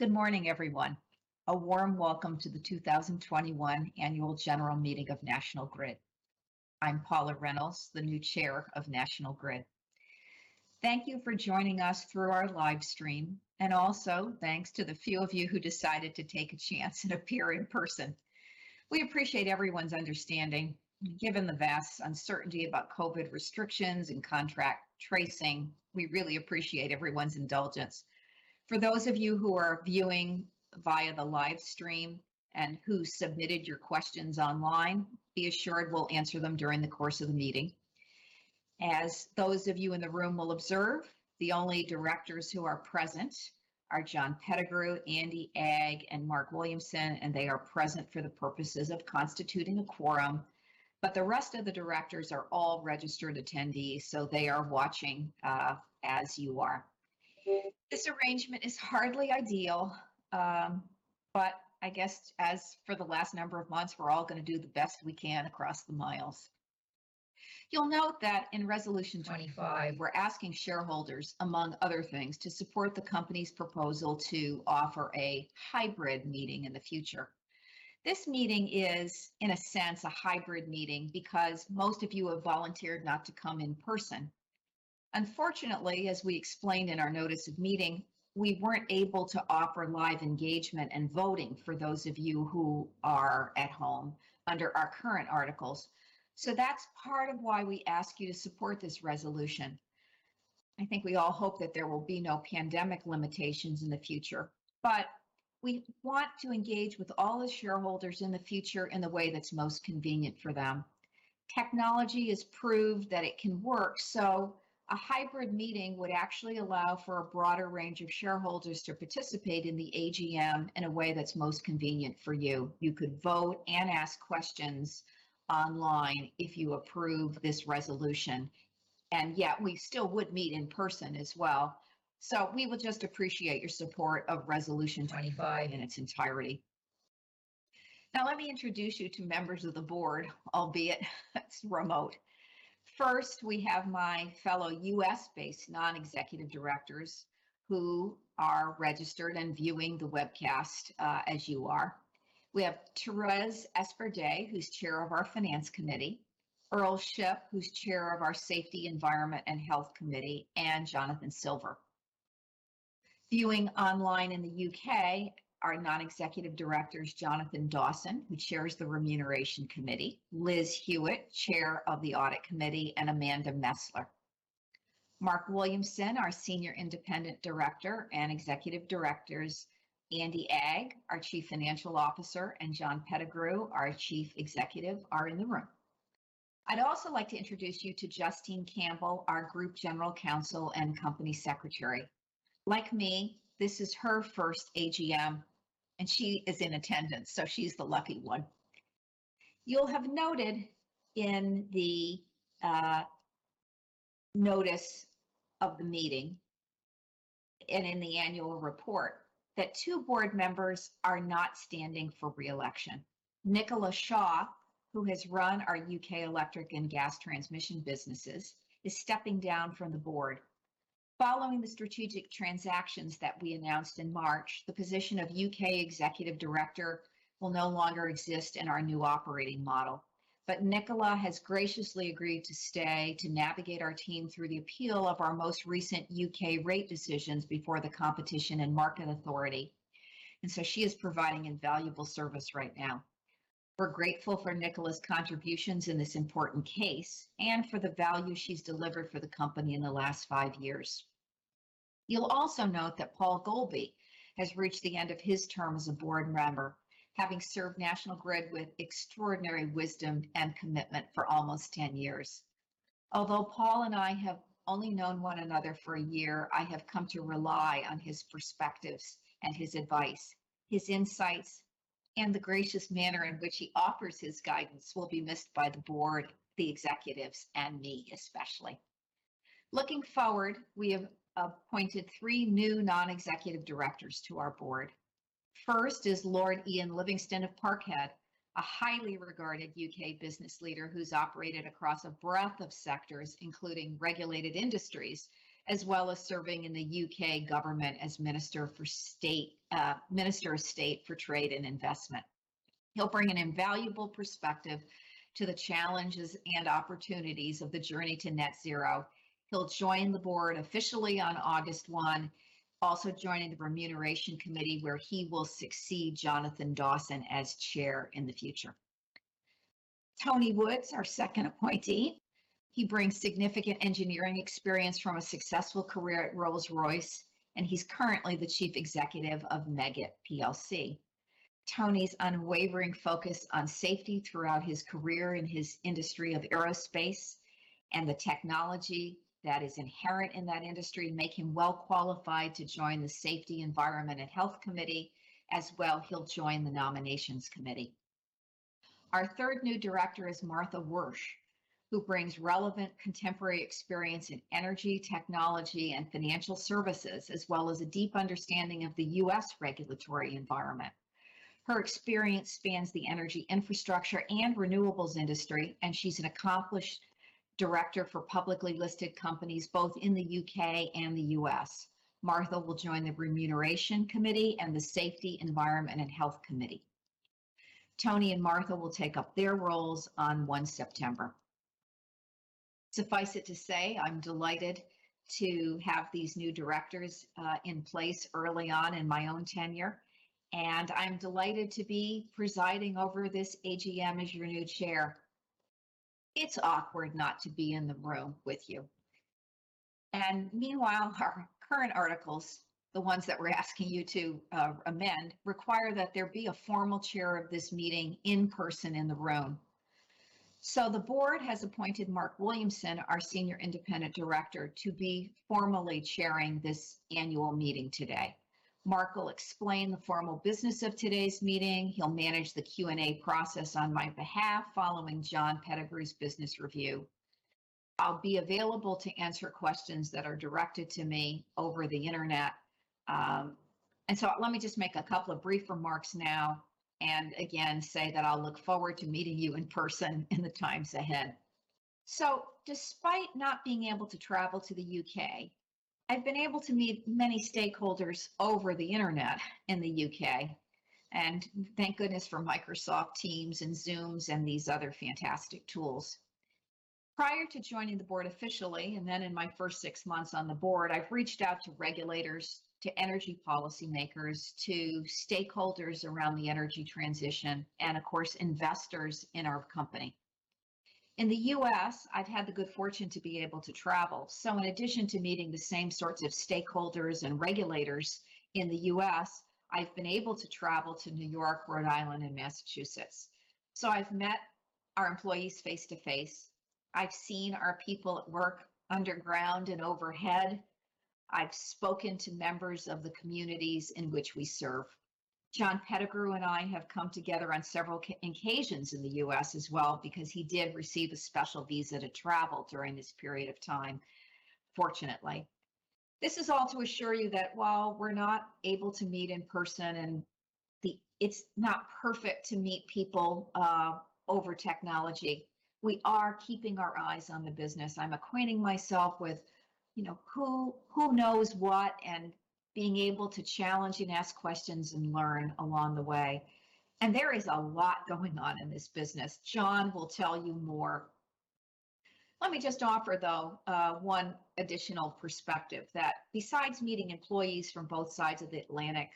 Good morning, everyone. A warm welcome to the 2021 Annual General Meeting of National Grid. I'm Paula Reynolds, the new chair of National Grid. Thank you for joining us through our live stream, and also, thanks to the few of you who decided to take a chance and appear in person. We appreciate everyone's understanding, given the vast uncertainty about COVID restrictions and contract tracing. We really appreciate everyone's indulgence. For those of you who are viewing via the live stream and who submitted your questions online, be assured we'll answer them during the course of the meeting. As those of you in the room will observe, the only directors who are present are John Pettigrew, Andy Agg, and Mark Williamson, and they are present for the purposes of constituting a quorum. The rest of the directors are all registered attendees, so they are watching as you are. This arrangement is hardly ideal, but I guess, as for the last number of months, we're all going to do the best we can across the miles. You'll note that in Resolution 25, we're asking shareholders, among other things, to support the company's proposal to offer a hybrid meeting in the future. This meeting is, in a sense, a hybrid meeting because most of you have volunteered not to come in person. Unfortunately, as we explained in our notice of meeting, we weren't able to offer live engagement and voting for those of you who are at home under our current articles. That's part of why we ask you to support this resolution. I think we all hope that there will be no pandemic limitations in the future, but we want to engage with all the shareholders in the future in the way that's most convenient for them. Technology has proved that it can work. A hybrid meeting would actually allow for a broader range of shareholders to participate in the AGM in a way that's most convenient for you. You could vote and ask questions online if you approve this resolution. We still would meet in person as well. We would just appreciate your support of Resolution 25 in its entirety. Now, let me introduce you to members of the board, albeit it's remote. First, we have my fellow U.S.-based non-executive directors who are registered and viewing the webcast, as you are. We have Thérèse Esperdy, who's Chair of our Finance Committee. Earl Shipp, who's Chair of our Safety, Environment, and Health Committee, and Jonathan Silver. Viewing online in the U.K. are non-executive directors Jonathan Dawson, who chairs the Remuneration Committee, Liz Hewitt, Chair of the Audit Committee, and Amanda Mesler. Mark Williamson, our senior independent director, and executive directors Andy Agg, our chief financial officer, and John Pettigrew, our chief executive, are in the room. I'd also like to introduce you to Justine Campbell, our group general counsel and company secretary. Like me, this is her first AGM, and she is in attendance, so she's the lucky one. You'll have noted in the notice of the meeting and in the annual report that two board members are not standing for re-election. Nicola Shaw, who has run our U.K. electric and gas transmission businesses, is stepping down from the board. Following the strategic transactions that we announced in March, the position of U.K. executive director will no longer exist in our new operating model. Nicola has graciously agreed to stay to navigate our team through the appeal of our most recent U.K. rate decisions before the Competition and Markets Authority. She is providing invaluable service right now. We're grateful for Nicola Shaw's contributions in this important case and for the value she's delivered for the company in the last five years. You'll also note that Paul Golby has reached the end of his term as a board member, having served National Grid with extraordinary wisdom and commitment for almost 10 years. Although Paul and I have only known one another for a year, I have come to rely on his perspectives and his advice. His insights and the gracious manner in which he offers his guidance will be missed by the board, the executives, and me, especially. Looking forward, we have appointed three new non-executive directors to our board. First is Lord Ian Livingston of Parkhead, a highly regarded U.K. business leader who's operated across a breadth of sectors, including regulated industries, as well as serving in the U.K. government as Minister of State for Trade and Investment. He'll bring an invaluable perspective to the challenges and opportunities of the journey to net zero. He'll join the board officially on August 1, also joining the Remuneration Committee, where he will succeed Jonathan Dawson as chair in the future. Tony Wood, our second appointee. He brings significant engineering experience from a successful career at Rolls-Royce. He's currently the chief executive of Meggitt PLC. Tony's unwavering focus on safety throughout his career in his industry of aerospace and the technology that is inherent in that industry make him well-qualified to join the Safety, Environment, and Health Committee. As well, he'll join the Nominations Committee. Our third new director is Martha Wyrsch, who brings relevant contemporary experience in energy, technology, and financial services, as well as a deep understanding of the U.S. regulatory environment. Her experience spans the energy, infrastructure, and renewables industry, and she's an accomplished director for publicly listed companies both in the U.K. and the U.S. Martha will join the Remuneration Committee and the Safety, Environment, and Health Committee. Tony and Martha will take up their roles on 1 September. Suffice it to say, I'm delighted to have these new directors in place early on in my own tenure, and I'm delighted to be presiding over this AGM as your new chair. It's awkward not to be in the room with you. Meanwhile, our current articles, the ones that we're asking you to amend, require that there be a formal chair of this meeting in person in the room. The board has appointed Mark Williamson, our senior independent director, to be formally chairing this annual meeting today. Mark will explain the formal business of today's meeting. He'll manage the Q&A process on my behalf following John Pettigrew's business review. I'll be available to answer questions that are directed to me over the internet. Let me just make a couple of brief remarks now, and again, say that I'll look forward to meeting you in person in the times ahead. Despite not being able to travel to the U.K., I've been able to meet many stakeholders over the internet in the U.K., and thank goodness for Microsoft Teams and Zooms and these other fantastic tools. Prior to joining the board officially, and then in my first six months on the board, I've reached out to regulators, to energy policymakers, to stakeholders around the energy transition, and of course, investors in our company. In the U.S., I've had the good fortune to be able to travel. In addition to meeting the same sorts of stakeholders and regulators in the U.S., I've been able to travel to New York, Rhode Island, and Massachusetts. I've met our employees face-to-face. I've seen our people at work underground and overhead. I've spoken to members of the communities in which we serve. John Pettigrew and I have come together on several occasions in the U.S. as well because he did receive a special visa to travel during this period of time, fortunately. This is all to assure you that while we're not able to meet in person and it's not perfect to meet people over technology, we are keeping our eyes on the business. I'm acquainting myself with who knows what and being able to challenge and ask questions and learn along the way. There is a lot going on in this business. John will tell you more. Let me just offer, though, one additional perspective, that besides meeting employees from both sides of the Atlantic,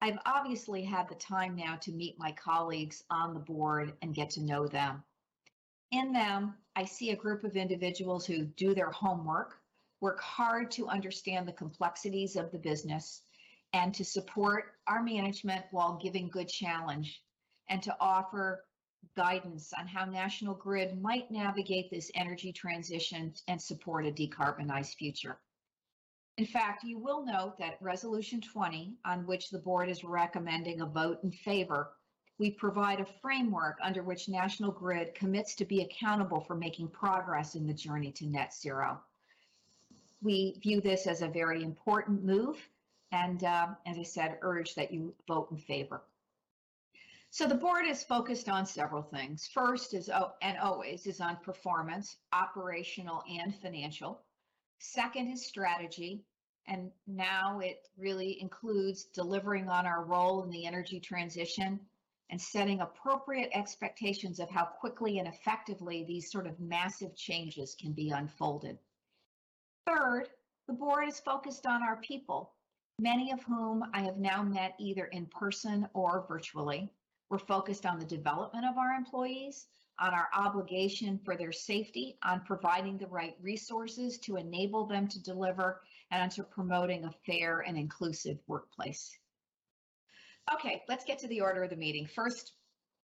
I've obviously had the time now to meet my colleagues on the board and get to know them. In them, I see a group of individuals who do their homework, work hard to understand the complexities of the business, and to support our management while giving good challenge, and to offer guidance on how National Grid might navigate this energy transition and support a decarbonized future. In fact, you will note that Resolution 20, on which the board is recommending a vote in favor, we provide a framework under which National Grid commits to be accountable for making progress in the journey to net zero. We view this as a very important move and, as I said, urge that you vote in favor. The board is focused on several things. First is, and always, on performance, operational and financial. Second is strategy, and now it really includes delivering on our role in the energy transition and setting appropriate expectations of how quickly and effectively these sort of massive changes can be unfolded. Third, the board is focused on our people, many of whom I have now met either in person or virtually. We're focused on the development of our employees, on our obligation for their safety, on providing the right resources to enable them to deliver, and on to promoting a fair and inclusive workplace. Okay. Let's get to the order of the meeting. First,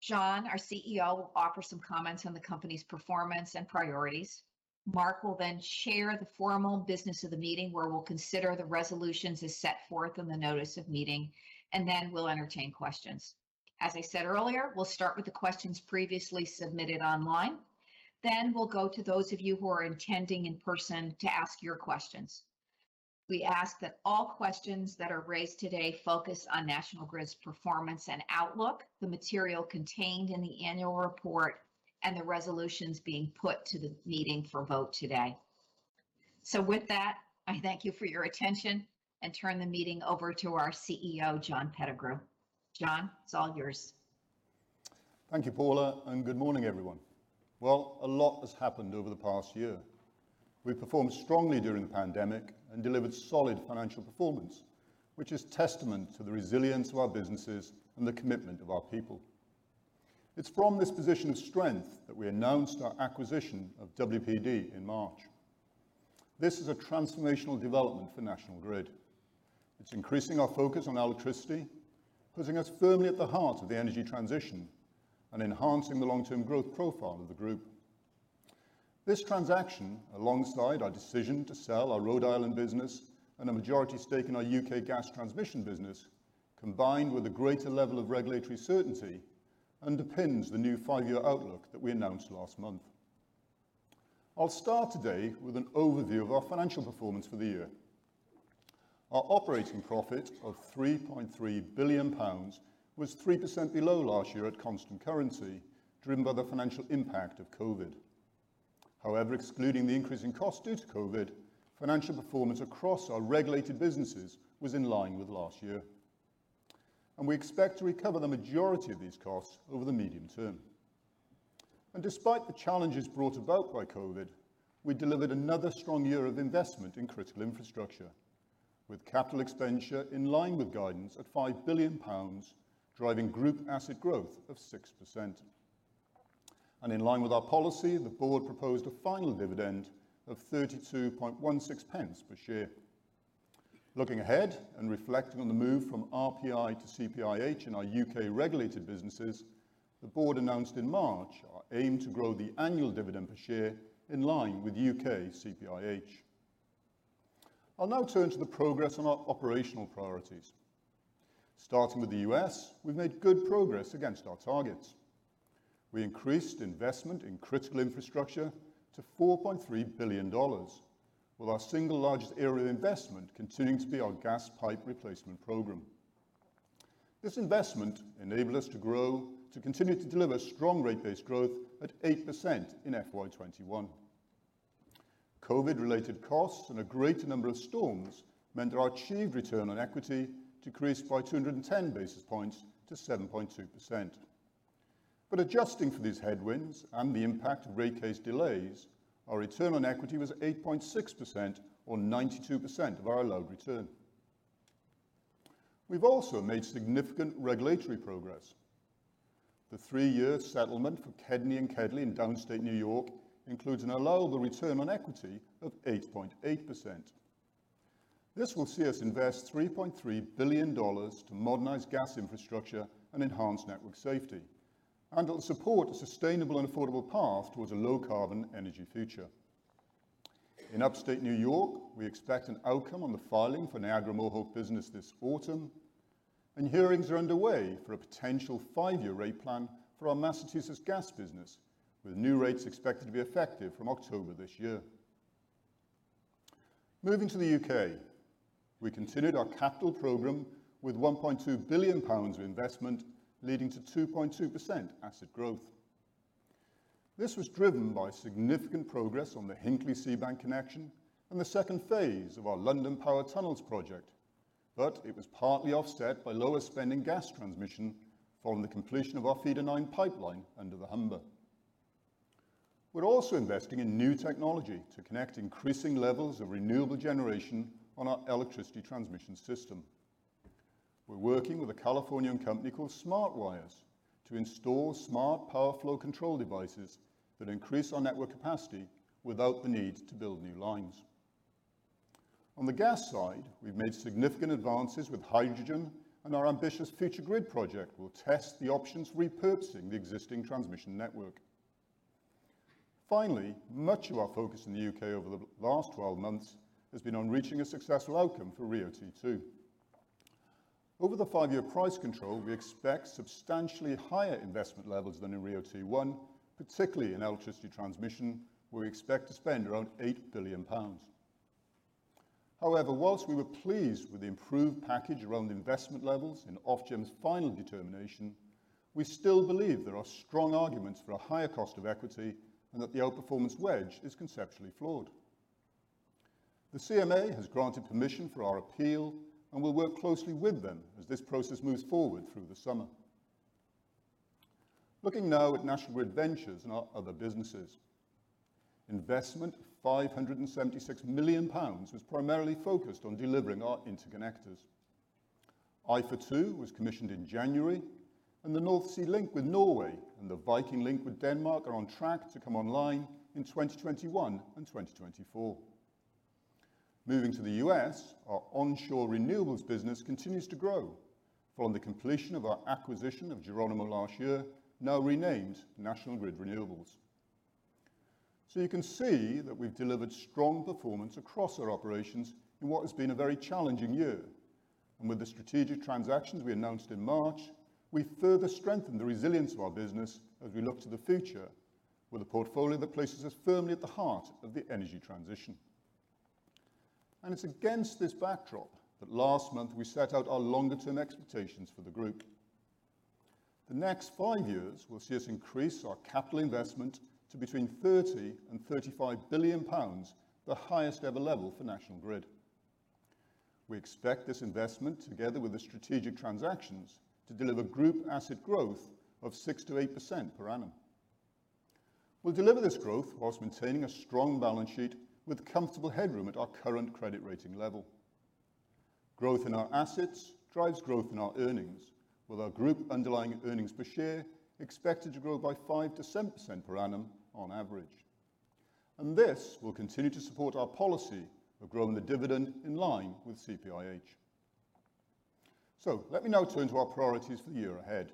John, our CEO, will offer some comments on the company's performance and priorities. Mark will then chair the formal business of the meeting, where we'll consider the resolutions as set forth in the notice of meeting, and then we'll entertain questions. As I said earlier, we'll start with the questions previously submitted online. We'll go to those of you who are attending in person to ask your questions. We ask that all questions that are raised today focus on National Grid's performance and outlook, the material contained in the annual report, and the resolutions being put to the meeting for vote today. With that, I thank you for your attention and turn the meeting over to our CEO, John Pettigrew. John, it's all yours. Thank you, Paula. Good morning, everyone. Well, a lot has happened over the past year. We've performed strongly during the pandemic and delivered solid financial performance, which is testament to the resilience of our businesses and the commitment of our people. It's from this position of strength that we announced our acquisition of WPD in March. This is a transformational development for National Grid. It's increasing our focus on electricity, putting us firmly at the heart of the energy transition, and enhancing the long-term growth profile of the group. This transaction, alongside our decision to sell our Rhode Island business and a majority stake in our U.K. gas transmission business, combined with a greater level of regulatory certainty, underpins the new five-year outlook that we announced last month. I'll start today with an overview of our financial performance for the year. Our operating profit of 3.3 billion pounds was 3% below last year at constant currency, driven by the financial impact of COVID. However, excluding the increase in cost due to COVID, financial performance across our regulated businesses was in line with last year. We expect to recover the majority of these costs over the medium term. Despite the challenges brought about by COVID, we delivered another strong year of investment in critical infrastructure, with capital expenditure in line with guidance at 5 billion pounds, driving group asset growth of 6%. In line with our policy, the board proposed a final dividend of 0.3216 per share. Looking ahead and reflecting on the move from RPI to CPIH in our U.K.-regulated businesses, the board announced in March our aim to grow the annual dividend per share in line with U.K. CPIH. I'll now turn to the progress on our operational priorities. Starting with the U.S., we've made good progress against our targets. We increased investment in critical infrastructure to $4.3 billion, with our single largest area of investment continuing to be our gas pipe replacement program. This investment enabled us to grow to continue to deliver strong rate base growth at 8% in FY 2021. COVID-related costs and a greater number of storms meant our achieved return on equity decreased by 210 basis points to 7.2%. Adjusting for these headwinds and the impact of rate case delays, our return on equity was 8.6%, or 92% of our allowed return. We've also made significant regulatory progress. The three-year settlement for KEDNY and KEDLI in Downstate New York includes an allowable return on equity of 8.8%. This will see us invest $3.3 billion to modernize gas infrastructure and enhance network safety. It'll support a sustainable and affordable path towards a low-carbon energy future. In Upstate New York, we expect an outcome on the filing for Niagara Mohawk business this autumn. Hearings are underway for a potential five-year rate plan for our Massachusetts gas business, with new rates expected to be effective from October this year. Moving to the U.K., we continued our capital program with 1.2 billion pounds of investment, leading to 2.2% asset growth. This was driven by significant progress on the Hinkley-Seabank connection and the second phase of our London Power Tunnels project. It was partly offset by lower spend in gas transmission following the completion of our Feeder 9 pipeline under the Humber. We're also investing in new technology to connect increasing levels of renewable generation on our electricity transmission system. We're working with a Californian company called Smart Wires to install smart power flow control devices that increase our network capacity without the need to build new lines. On the gas side, we've made significant advances with hydrogen, and our ambitious FutureGrid project will test the options for repurposing the existing transmission network. Finally, much of our focus in the U.K. over the last 12 months has been on reaching a successful outcome for RIIO-T2. Over the 5-year price control, we expect substantially higher investment levels than in RIIO-T1, particularly in electricity transmission, where we expect to spend around 8 billion pounds. Whilst we were pleased with the improved package around investment levels in Ofgem's final determination, we still believe there are strong arguments for a higher cost of equity and that the outperformance wedge is conceptually flawed. The CMA has granted permission for our appeal. We'll work closely with them as this process moves forward through the summer. Looking now at National Grid Ventures and our other businesses. Investment of 576 million pounds was primarily focused on delivering our interconnectors. IFA2 was commissioned in January. The North Sea Link with Norway and the Viking Link with Denmark are on track to come online in 2021 and 2024. Moving to the U.S., our onshore renewables business continues to grow following the completion of our acquisition of Geronimo last year, now renamed National Grid Renewables. You can see that we've delivered strong performance across our operations in what has been a very challenging year. With the strategic transactions we announced in March, we further strengthen the resilience of our business as we look to the future with a portfolio that places us firmly at the heart of the energy transition. It's against this backdrop that last month we set out our longer-term expectations for the group. The next 5 years will see us increase our capital investment to between 30 billion and 35 billion pounds, the highest-ever level for National Grid. We expect this investment, together with the strategic transactions, to deliver group asset growth of 6%-8% per annum. We'll deliver this growth whilst maintaining a strong balance sheet with comfortable headroom at our current credit rating level. Growth in our assets drives growth in our earnings, with our group underlying earnings per share expected to grow by 5%-7% per annum on average. This will continue to support our policy of growing the dividend in line with CPIH. Let me now turn to our priorities for the year ahead,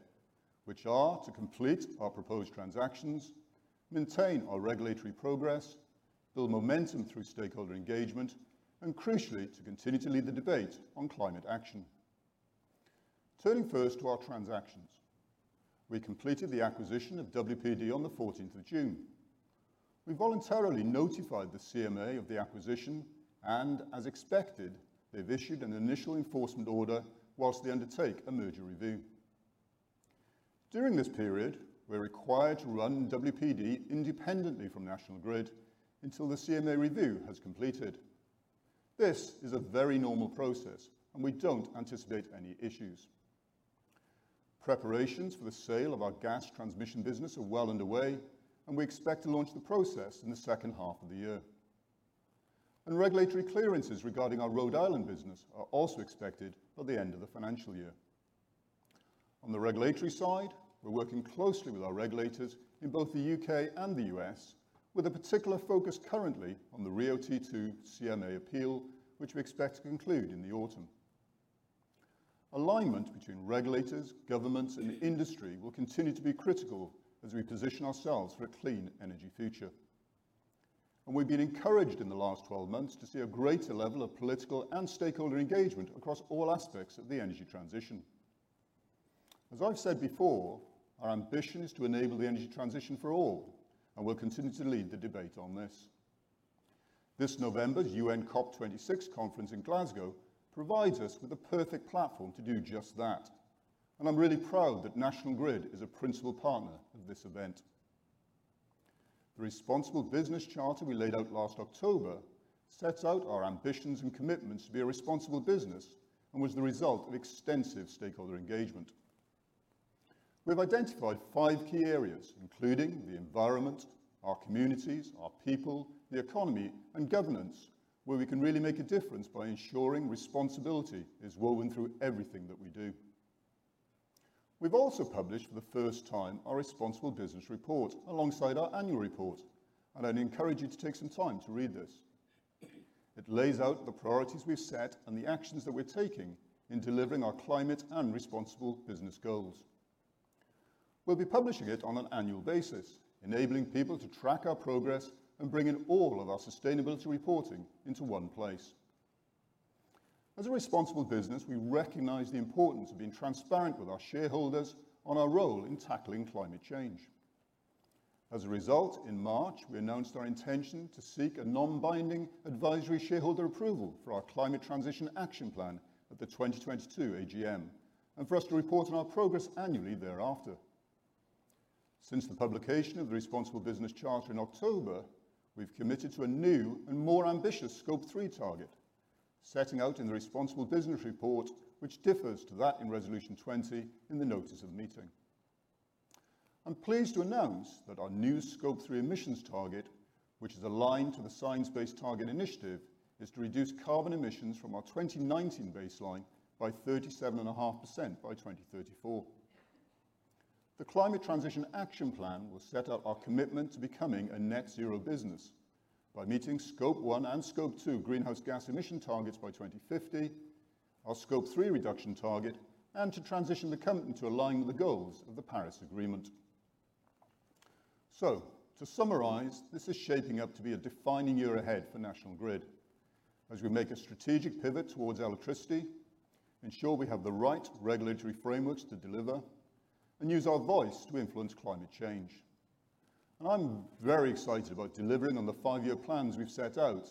which are to complete our proposed transactions, maintain our regulatory progress, build momentum through stakeholder engagement, and crucially, to continue to lead the debate on climate action. Turning first to our transactions. We completed the acquisition of WPD on the 14th of June. We voluntarily notified the CMA of the acquisition, and as expected, they've issued an initial enforcement order whilst they undertake a merger review. During this period, we're required to run WPD independently from National Grid until the CMA review has completed. This is a very normal process, and we don't anticipate any issues. Preparations for the sale of our gas transmission business are well underway. We expect to launch the process in the second half of the year. Regulatory clearances regarding our Rhode Island business are also expected by the end of the financial year. On the regulatory side, we're working closely with our regulators in both the U.K. and the U.S., with a particular focus currently on the RIIO-T2 CMA appeal, which we expect to conclude in the autumn. Alignment between regulators, governments, and industry will continue to be critical as we position ourselves for a clean energy future. We've been encouraged in the last 12 months to see a greater level of political and stakeholder engagement across all aspects of the energy transition. As I've said before, our ambition is to enable the energy transition for all, and we'll continue to lead the debate on this. This November's UN COP26 conference in Glasgow provides us with the perfect platform to do just that. I'm really proud that National Grid is a principal partner of this event. The Responsible Business Charter we laid out last October sets out our ambitions and commitments to be a responsible business and was the result of extensive stakeholder engagement. We've identified five key areas, including the environment, our communities, our people, the economy, and governance, where we can really make a difference by ensuring responsibility is woven through everything that we do. We've also published, for the first time, our Responsible Business Report alongside our annual report. I'd encourage you to take some time to read this. It lays out the priorities we've set and the actions that we're taking in delivering our climate and responsible business goals. We'll be publishing it on an annual basis, enabling people to track our progress and bring in all of our sustainability reporting into one place. As a responsible business, we recognize the importance of being transparent with our shareholders on our role in tackling climate change. As a result, in March, we announced our intention to seek a non-binding advisory shareholder approval for our Climate Transition Action Plan at the 2022 AGM and for us to report on our progress annually thereafter. Since the publication of the Responsible Business Charter in October, we've committed to a new and more ambitious Scope 3 target, setting out in the Responsible Business Report, which differs to that in Resolution 20 in the Notice of Meeting. I'm pleased to announce that our new Scope 3 emissions target, which is aligned to the Science Based Targets initiative, is to reduce carbon emissions from our 2019 baseline by 37.5% by 2034. The Climate Transition Action Plan will set out our commitment to becoming a net zero business by meeting Scope 1 and Scope 2 greenhouse gas emission targets by 2050, our Scope 3 reduction target, and to transition the company to align with the goals of the Paris Agreement. To summarize, this is shaping up to be a defining year ahead for National Grid as we make a strategic pivot towards electricity, ensure we have the right regulatory frameworks to deliver, and use our voice to influence climate change. I'm very excited about delivering on the 5-year plans we've set out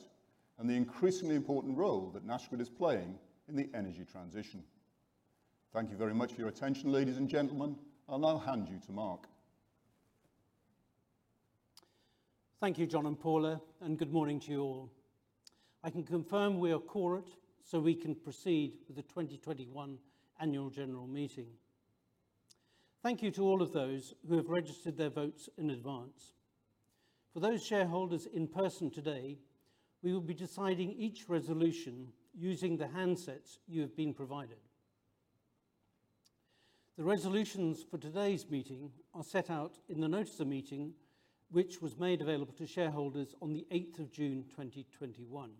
and the increasingly important role that National Grid is playing in the energy transition. Thank you very much for your attention, ladies and gentlemen, and I'll hand you to Mark. Thank you, John and Paula, and good morning to you all. I can confirm we are quorate, so we can proceed with the 2021 annual general meeting. Thank you to all of those who have registered their votes in advance. For those shareholders in person today, we will be deciding each resolution using the handsets you have been provided. The resolutions for today's meeting are set out in the Notice of Meeting, which was made available to shareholders on the 8th of June 2021.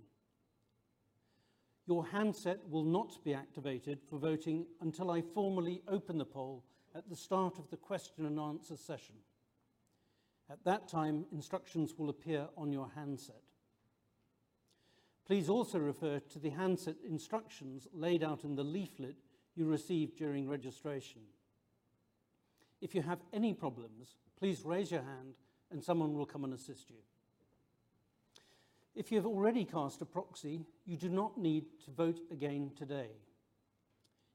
Your handset will not be activated for voting until I formally open the poll at the start of the question and answer session. At that time, instructions will appear on your handset. Please also refer to the handset instructions laid out in the leaflet you received during registration. If you have any problems, please raise your hand and someone will come and assist you. If you have already cast a proxy, you do not need to vote again today.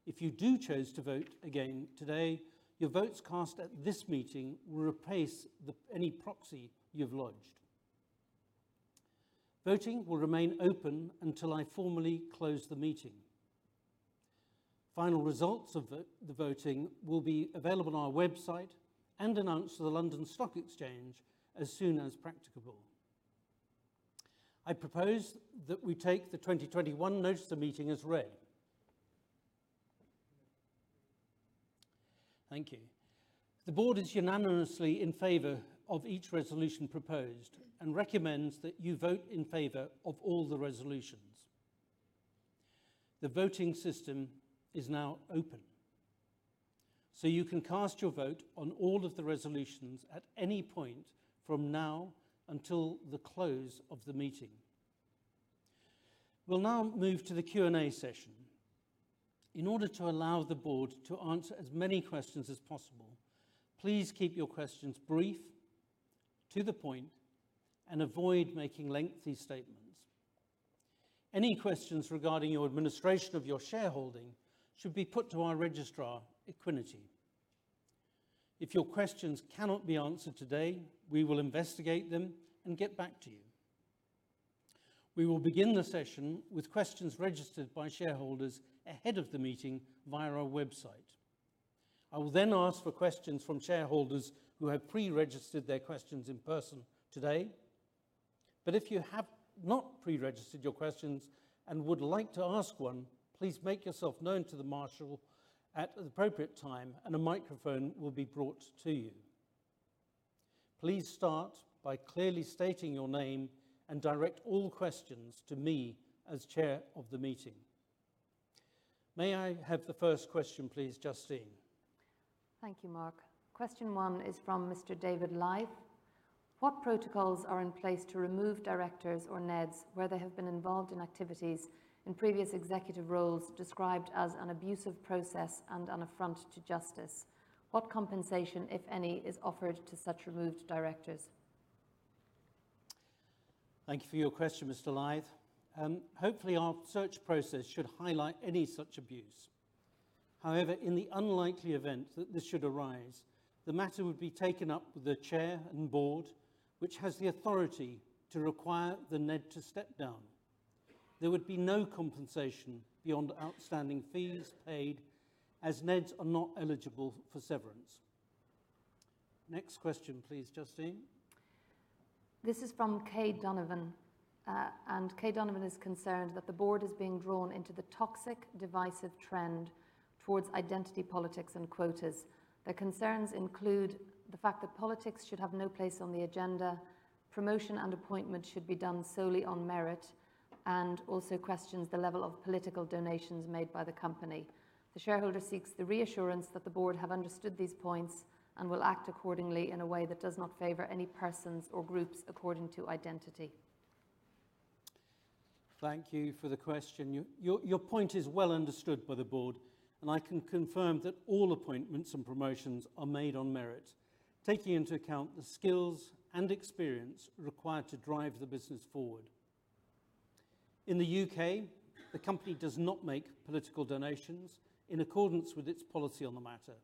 If you do choose to vote again today, your votes cast at this meeting will replace any proxy you've lodged. Voting will remain open until I formally close the meeting. Final results of the voting will be available on our website and announced to the London Stock Exchange as soon as practicable. I propose that we take the 2021 Notice of Meeting as read. Thank you. The board is unanimously in favor of each resolution proposed and recommends that you vote in favor of all the resolutions. The voting system is now open, so you can cast your vote on all of the resolutions at any point from now until the close of the meeting. We'll now move to the Q&A session. In order to allow the board to answer as many questions as possible, please keep your questions brief, to the point, and avoid making lengthy statements. Any questions regarding your administration of your shareholding should be put to our registrar, Equiniti. If your questions cannot be answered today, we will investigate them and get back to you. We will begin the session with questions registered by shareholders ahead of the meeting via our website. I will then ask for questions from shareholders who have pre-registered their questions in person today. If you have not pre-registered your questions and would like to ask one, please make yourself known to the marshal at the appropriate time and a microphone will be brought to you. Please start by clearly stating your name and direct all questions to me as chair of the meeting. May I have the first question please, Justine? Thank you, Mark. Question 1 is from Mr. David Lithe. What protocols are in place to remove directors or NEDs, where they have been involved in activities in previous executive roles described as an abusive process and an affront to justice? What compensation, if any, is offered to such removed directors? Thank you for your question, Mr. Lithe. Hopefully, our search process should highlight any such abuse. However, in the unlikely event that this should arise, the matter would be taken up with the chair and board, which has the authority to require the NED to step down. There would be no compensation beyond outstanding fees paid, as NEDs are not eligible for severance. Next question please, Justine. This is from Kay Donovan. Kay Donovan is concerned that the board is being drawn into the toxic, divisive trend towards identity politics and quotas. Their concerns include the fact that politics should have no place on the agenda, promotion and appointment should be done solely on merit, and also questions the level of political donations made by the company. The shareholder seeks the reassurance that the board have understood these points and will act accordingly in a way that does not favor any persons or groups according to identity. Thank you for the question. Your point is well understood by the board, and I can confirm that all appointments and promotions are made on merit, taking into account the skills and experience required to drive the business forward. In the U.K., the company does not make political donations, in accordance with its policy on the matter.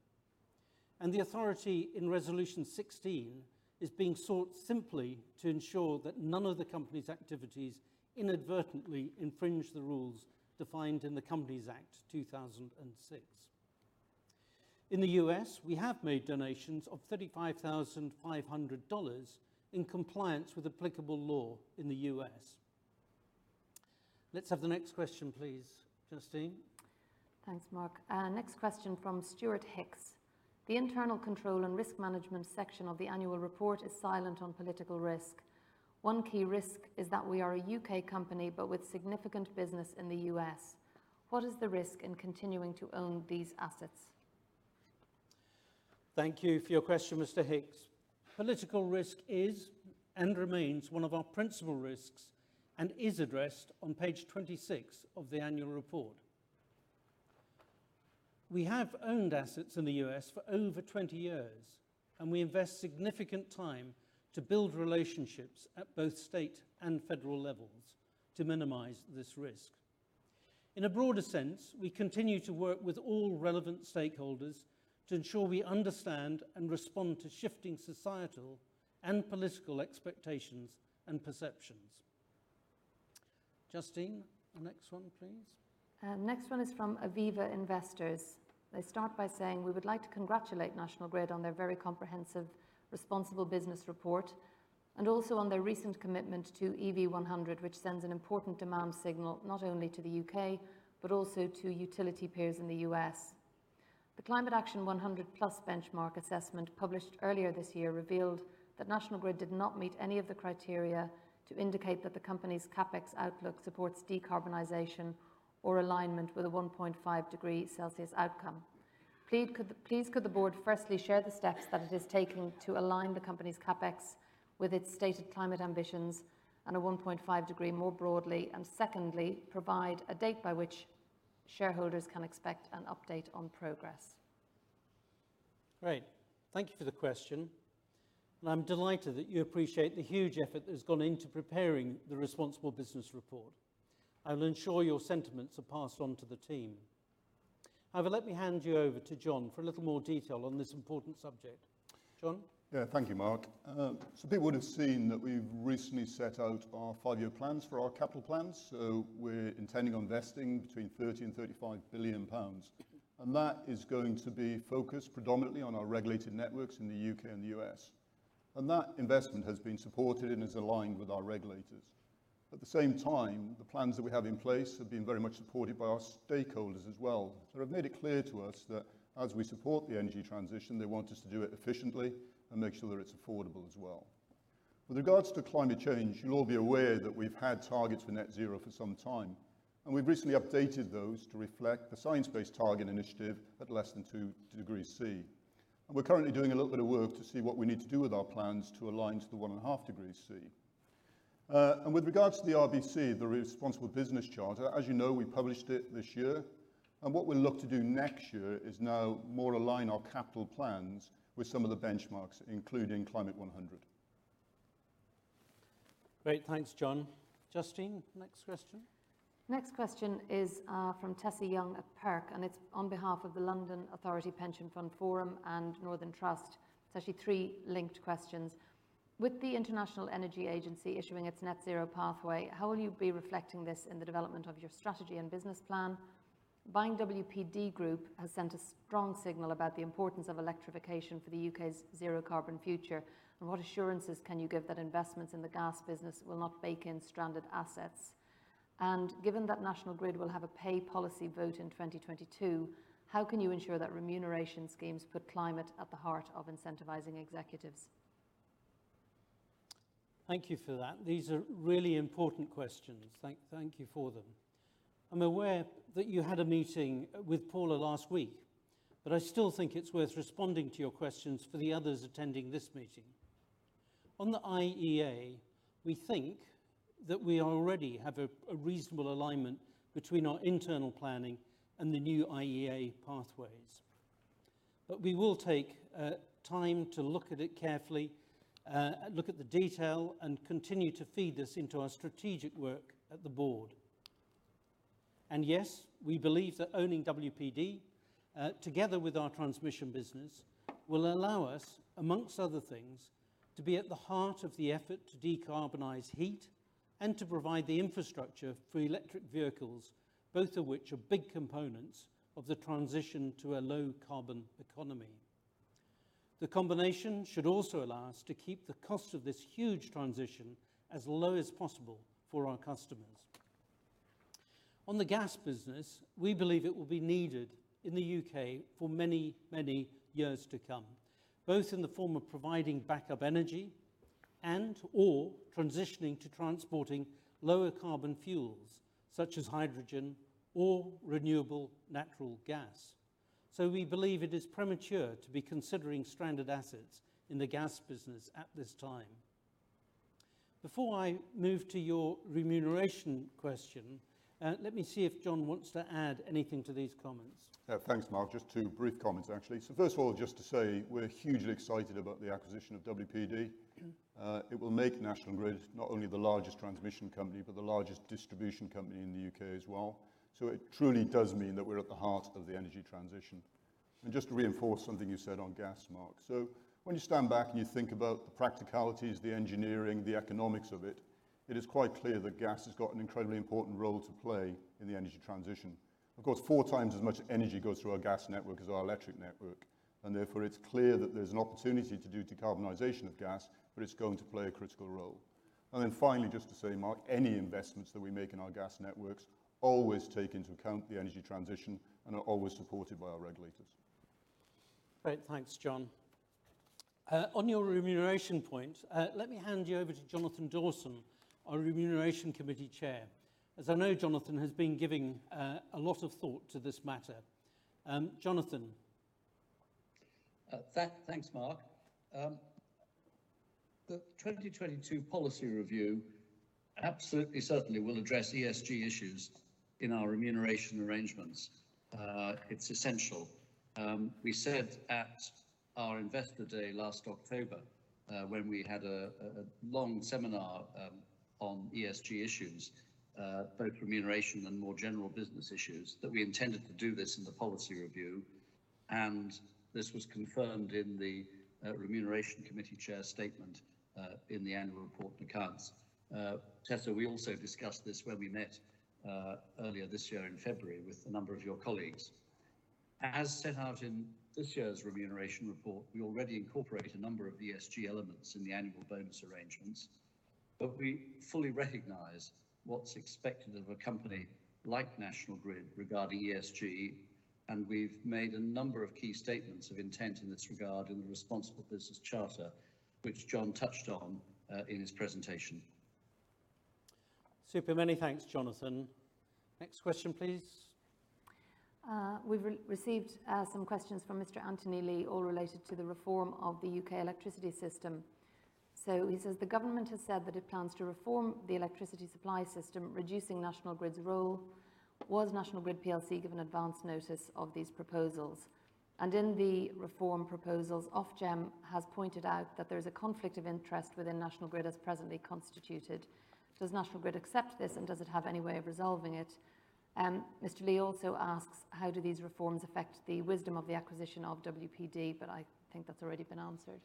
The authority in Resolution 16 is being sought simply to ensure that none of the company's activities inadvertently infringe the rules defined in the Companies Act 2006. In the U.S., we have made donations of $35,500 in compliance with applicable law in the U.S. Let's have the next question please, Justine. Thanks, Mark. Next question from Stuart Hicks. The internal control and risk management section of the annual report is silent on political risk. One key risk is that we are a U.K. company, but with significant business in the U.S. What is the risk in continuing to own these assets? Thank you for your question, Mr. Hicks. Political risk is and remains one of our principal risks and is addressed on page 26 of the annual report. We have owned assets in the U.S. for over 20 years, and we invest significant time to build relationships at both state and federal levels to minimize this risk. In a broader sense, we continue to work with all relevant stakeholders to ensure we understand and respond to shifting societal and political expectations and perceptions. Justine, the next one please. Next one is from Aviva Investors. They start by saying, "We would like to congratulate National Grid on their very comprehensive, Responsible Business Report, and also on their recent commitment to EV100, which sends an important demand signal not only to the U.K. but also to utility peers in the U.S. The Climate Action 100+ benchmark assessment published earlier this year revealed that National Grid did not meet any of the criteria to indicate that the company's CapEx outlook supports decarbonization or alignment with a 1.5 degree Celsius outcome." Please could the board firstly share the steps that it is taking to align the company's CapEx with its stated climate ambitions and a 1.5 degree more broadly, and secondly, provide a date by which shareholders can expect an update on progress. Great. Thank you for the question. I'm delighted that you appreciate the huge effort that has gone into preparing the Responsible Business Report. I will ensure your sentiments are passed on to the team. However, let me hand you over to John for a little more detail on this important subject. John? Thank you, Mark. People would've seen that we've recently set out our 5-year plans for our capital plans. We're intending on investing between 30 billion and 35 billion pounds. That is going to be focused predominantly on our regulated networks in the U.K. and the U.S. That investment has been supported and is aligned with our regulators. At the same time, the plans that we have in place have been very much supported by our stakeholders as well. They have made it clear to us that as we support the energy transition, they want us to do it efficiently and make sure that it's affordable as well. With regards to climate change, you'll all be aware that we've had targets for net zero for some time. We've recently updated those to reflect the Science Based Targets initiative at less than 2 degrees Celsius. We're currently doing a little bit of work to see what we need to do with our plans to align to the 1.5 degrees Celsius. With regards to the RBC, the Responsible Business Charter, as you know, we published it this year, and what we look to do next year is now more align our capital plans with some of the benchmarks, including Climate 100. Great. Thanks, John. Justine, next question. Next question is from Tessa Young of PIRC, and it's on behalf of the Local Authority Pension Fund Forum and Northern Trust. It's actually three linked questions. With the International Energy Agency issuing its net zero pathway, how will you be reflecting this in the development of your strategy and business plan? Buying WPD Group has sent a strong signal about the importance of electrification for the U.K.'s zero carbon future. What assurances can you give that investments in the gas business will not bake in stranded assets? Given that National Grid will have a pay policy vote in 2022, how can you ensure that remuneration schemes put climate at the heart of incentivizing executives? Thank you for that. These are really important questions. Thank you for them. I'm aware that you had a meeting with Paula last week, but I still think it's worth responding to your questions for the others attending this meeting. On the IEA, we think that we already have a reasonable alignment between our internal planning and the new IEA pathways. We will take time to look at it carefully, look at the detail, and continue to feed this into our strategic work at the board. Yes, we believe that owning WPD, together with our transmission business, will allow us, amongst other things, to be at the heart of the effort to decarbonize heat and to provide the infrastructure for electric vehicles, both of which are big components of the transition to a low carbon economy. The combination should also allow us to keep the cost of this huge transition as low as possible for our customers. On the gas business, we believe it will be needed in the U.K. for many, many years to come, both in the form of providing backup energy and/or transitioning to transporting lower carbon fuels, such as hydrogen or renewable natural gas. We believe it is premature to be considering stranded assets in the gas business at this time. Before I move to your remuneration question, let me see if John wants to add anything to these comments. Yeah. Thanks, Mark. Just two brief comments, actually. First of all, just to say we're hugely excited about the acquisition of WPD. It will make National Grid not only the largest transmission company, but the largest distribution company in the U.K. as well. It truly does mean that we're at the heart of the energy transition. Just to reinforce something you said on gas, Mark, when you stand back and you think about the practicalities, the engineering, the economics of it is quite clear that gas has got an incredibly important role to play in the energy transition. Of course, four times as much energy goes through our gas network as our electric network, therefore it's clear that there's an opportunity to do decarbonization of gas, it's going to play a critical role. Finally, just to say, Mark, any investments that we make in our gas networks always take into account the energy transition and are always supported by our regulators. Great. Thanks, John. On your remuneration point, let me hand you over to Jonathan Dawson, our Remuneration Committee Chair, as I know Jonathan has been giving a lot of thought to this matter. Jonathan. Thanks, Mark. The 2022 policy review absolutely, certainly will address ESG issues in our remuneration arrangements. It's essential. We said at our Investor Day last October, when we had a long seminar on ESG issues, both remuneration and more general business issues, that we intended to do this in the policy review. This was confirmed in the Remuneration Committee chair statement in the annual report and accounts. Tessa, we also discussed this when we met earlier this year in February with a number of your colleagues. As set out in this year's Remuneration report, we already incorporate a number of ESG elements in the annual bonus arrangements, but we fully recognize what's expected of a company like National Grid regarding ESG, and we've made a number of key statements of intent in this regard in the Responsible Business Charter, which John touched on in his presentation. Super. Many thanks, Jonathan. Next question, please. We've received some questions from Mr. Anthony Lee, all related to the reform of the U.K. electricity system. He says, "The government has said that it plans to reform the electricity supply system, reducing National Grid's role. Was National Grid plc given advance notice of these proposals? In the reform proposals, Ofgem has pointed out that there is a conflict of interest within National Grid as presently constituted. Does National Grid accept this, and does it have any way of resolving it?" Mr. Lee also asks, "How do these reforms affect the wisdom of the acquisition of WPD?" I think that's already been answered.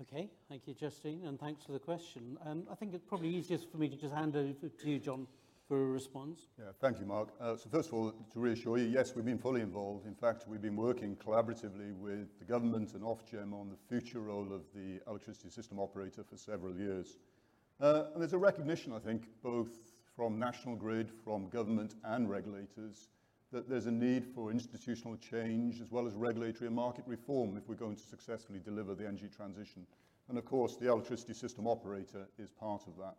Okay. Thank you, Justine, thanks for the question. I think it's probably easiest for me to just hand over to you, John, for a response. Thank you, Mark. First of all, to reassure you, yes, we've been fully involved. In fact, we've been working collaboratively with the government and Ofgem on the future role of the electricity system operator for several years. There's a recognition, I think, both from National Grid, from government, and regulators, that there's a need for institutional change as well as regulatory and market reform if we're going to successfully deliver the energy transition. Of course, the electricity system operator is part of that.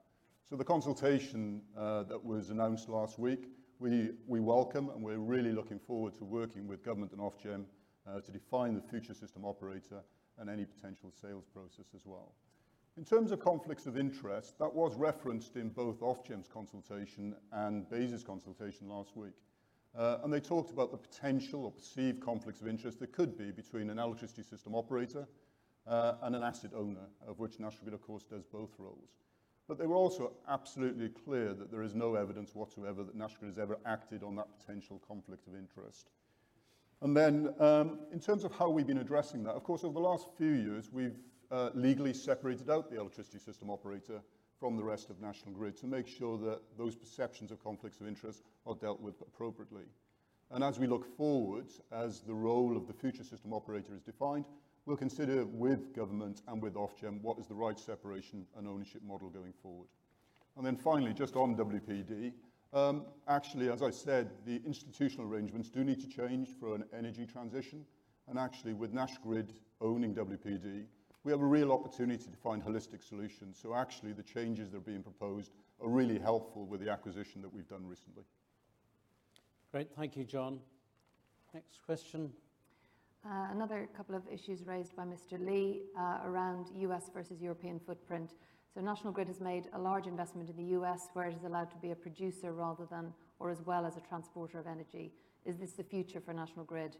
The consultation that was announced last week, we welcome, and we're really looking forward to working with government and Ofgem to define the future system operator and any potential sales process as well. In terms of conflicts of interest, that was referenced in both Ofgem's consultation and BEIS's consultation last week. They talked about the potential or perceived conflicts of interest that could be between an electricity system operator and an asset owner, of which National Grid, of course, does both roles. They were also absolutely clear that there is no evidence whatsoever that National Grid has ever acted on that potential conflict of interest. In terms of how we've been addressing that, of course, over the last few years, we've legally separated out the electricity system operator from the rest of National Grid to make sure that those perceptions of conflicts of interest are dealt with appropriately. As we look forward, as the role of the future system operator is defined, we'll consider with government and with Ofgem what is the right separation and ownership model going forward. Finally, just on WPD, actually, as I said, the institutional arrangements do need to change for an energy transition. Actually, with National Grid owning WPD, we have a real opportunity to find holistic solutions. Actually, the changes that are being proposed are really helpful with the acquisition that we've done recently. Great. Thank you, John. Next question. Another couple of issues raised by Mr. Lee around U.S. versus European footprint. National Grid has made a large investment in the U.S. where it is allowed to be a producer rather than, or as well as, a transporter of energy. Is this the future for National Grid?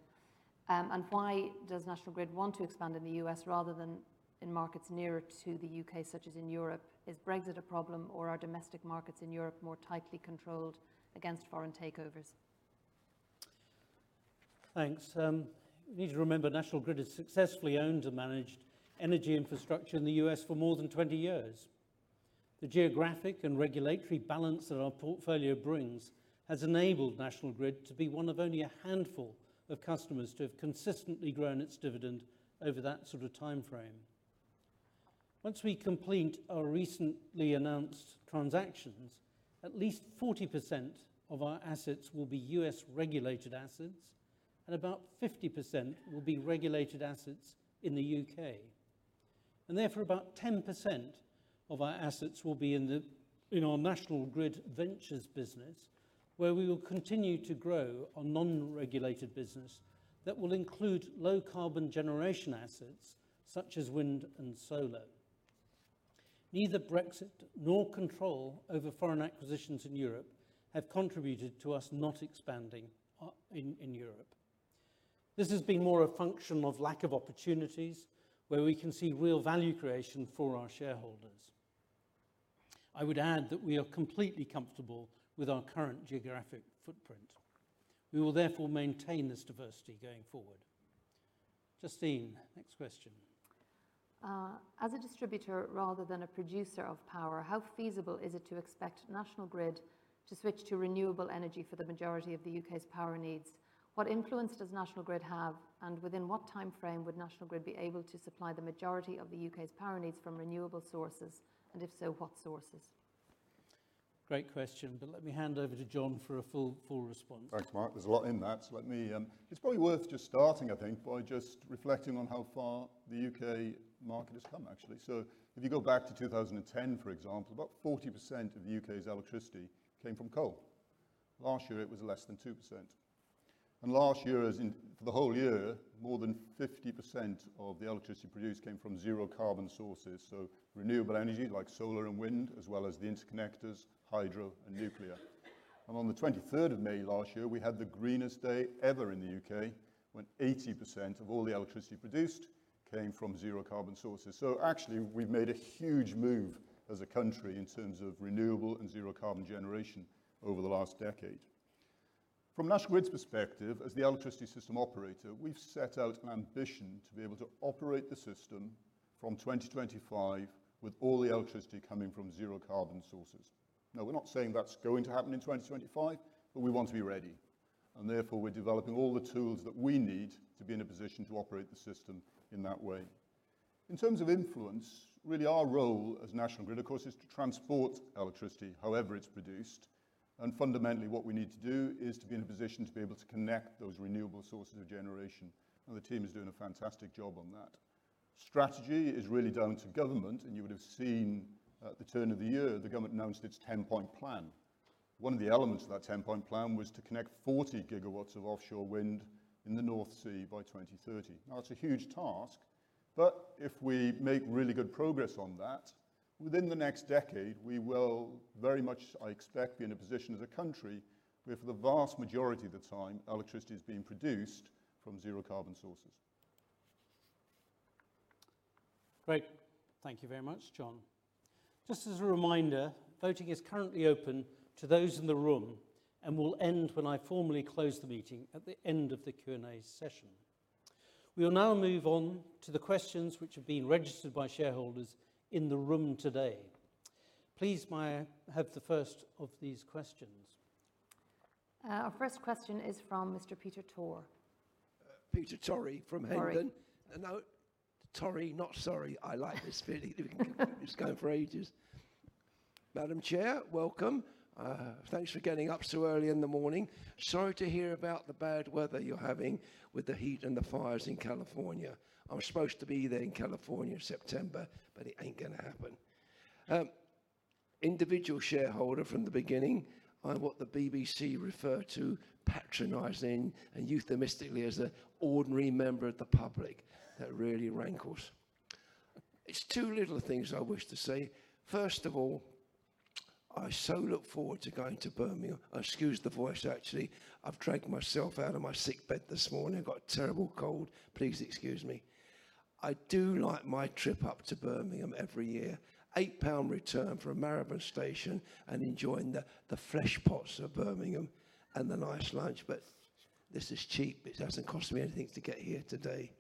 Why does National Grid want to expand in the U.S. rather than in markets nearer to the U.K., such as in Europe? Is Brexit a problem, or are domestic markets in Europe more tightly controlled against foreign takeovers? Thanks. You need to remember National Grid has successfully owned and managed energy infrastructure in the U.S. for more than 20 years. The geographic and regulatory balance that our portfolio brings has enabled National Grid to be one of only a handful of customers to have consistently grown its dividend over that sort of timeframe. Once we complete our recently announced transactions, at least 40% of our assets will be U.S.-regulated assets, and about 50% will be regulated assets in the U.K. Therefore, about 10% of our assets will be in our National Grid Ventures business, where we will continue to grow our non-regulated business that will include low-carbon generation assets such as wind and solar. Neither Brexit nor control over foreign acquisitions in Europe have contributed to us not expanding in Europe. This has been more a function of lack of opportunities where we can see real value creation for our shareholders. I would add that we are completely comfortable with our current geographic footprint. We will therefore maintain this diversity going forward. Justine, next question. As a distributor rather than a producer of power, how feasible is it to expect National Grid to switch to renewable energy for the majority of the U.K.'s power needs? What influence does National Grid have, and within what timeframe would National Grid be able to supply the majority of the U.K.'s power needs from renewable sources? If so, what sources? Great question, but let me hand over to John for a full response. Thanks, Mark. There's a lot in that. It's probably worth just starting, I think, by just reflecting on how far the U.K. market has come, actually. If you go back to 2010, for example, about 40% of the U.K.'s electricity came from coal. Last year, it was less than 2%. Last year, for the whole year, more than 50% of the electricity produced came from zero carbon sources, so renewable energy like solar and wind, as well as the interconnectors, hydro, and nuclear. On the 23rd of May last year, we had the greenest day ever in the U.K. when 80% of all the electricity produced came from zero carbon sources. Actually, we've made a huge move as a country in terms of renewable and zero-carbon generation over the last decade. From National Grid's perspective as the electricity system operator, we've set out an ambition to be able to operate the system from 2025 with all the electricity coming from zero-carbon sources. Now, we're not saying that's going to happen in 2025, but we want to be ready, and therefore, we're developing all the tools that we need to be in a position to operate the system in that way. In terms of influence, really our role as National Grid, of course, is to transport electricity however it's produced. Fundamentally, what we need to do is to be in a position to be able to connect those renewable sources of generation, and the team is doing a fantastic job on that. Strategy is really down to government, and you would've seen at the turn of the year, the government announced its 10-point plan. One of the elements of that 10-point plan was to connect 40 GW of offshore wind in the North Sea by 2030. Now, that's a huge task, but if we make really good progress on that, within the next decade, we will very much, I expect, be in a position as a country where for the vast majority of the time, electricity is being produced from zero-carbon sources. Great. Thank you very much, John. Just as a reminder, voting is currently open to those in the room and will end when I formally close the meeting at the end of the Q&A session. We will now move on to the questions which have been registered by shareholders in the room today. Please may I have the first of these questions? Our first question is from Mr. Peter Torry. Peter Torry from Hainton. Torry. No, Torry, not sorry. I like this feeling. We can keep this going for ages. Madam Chair, welcome. Thanks for getting up so early in the morning. Sorry to hear about the bad weather you're having with the heat and the fires in California. I'm supposed to be there in California in September, it ain't going to happen. Individual shareholder from the beginning. I'm what the BBC refer to, patronizing and euphemistically, as an ordinary member of the public. That really rankles. It's two little things I wish to say. First of all, I so look forward to going to Birmingham. Excuse the voice, actually. I've dragged myself out of my sick bed this morning. I have got a terrible cold. Please excuse me. I do like my trip up to Birmingham every year, 8 pound return from Marylebone Station, and enjoying the fresh pots of Birmingham and the nice lunch. This is cheap. It doesn't cost me anything to get here today.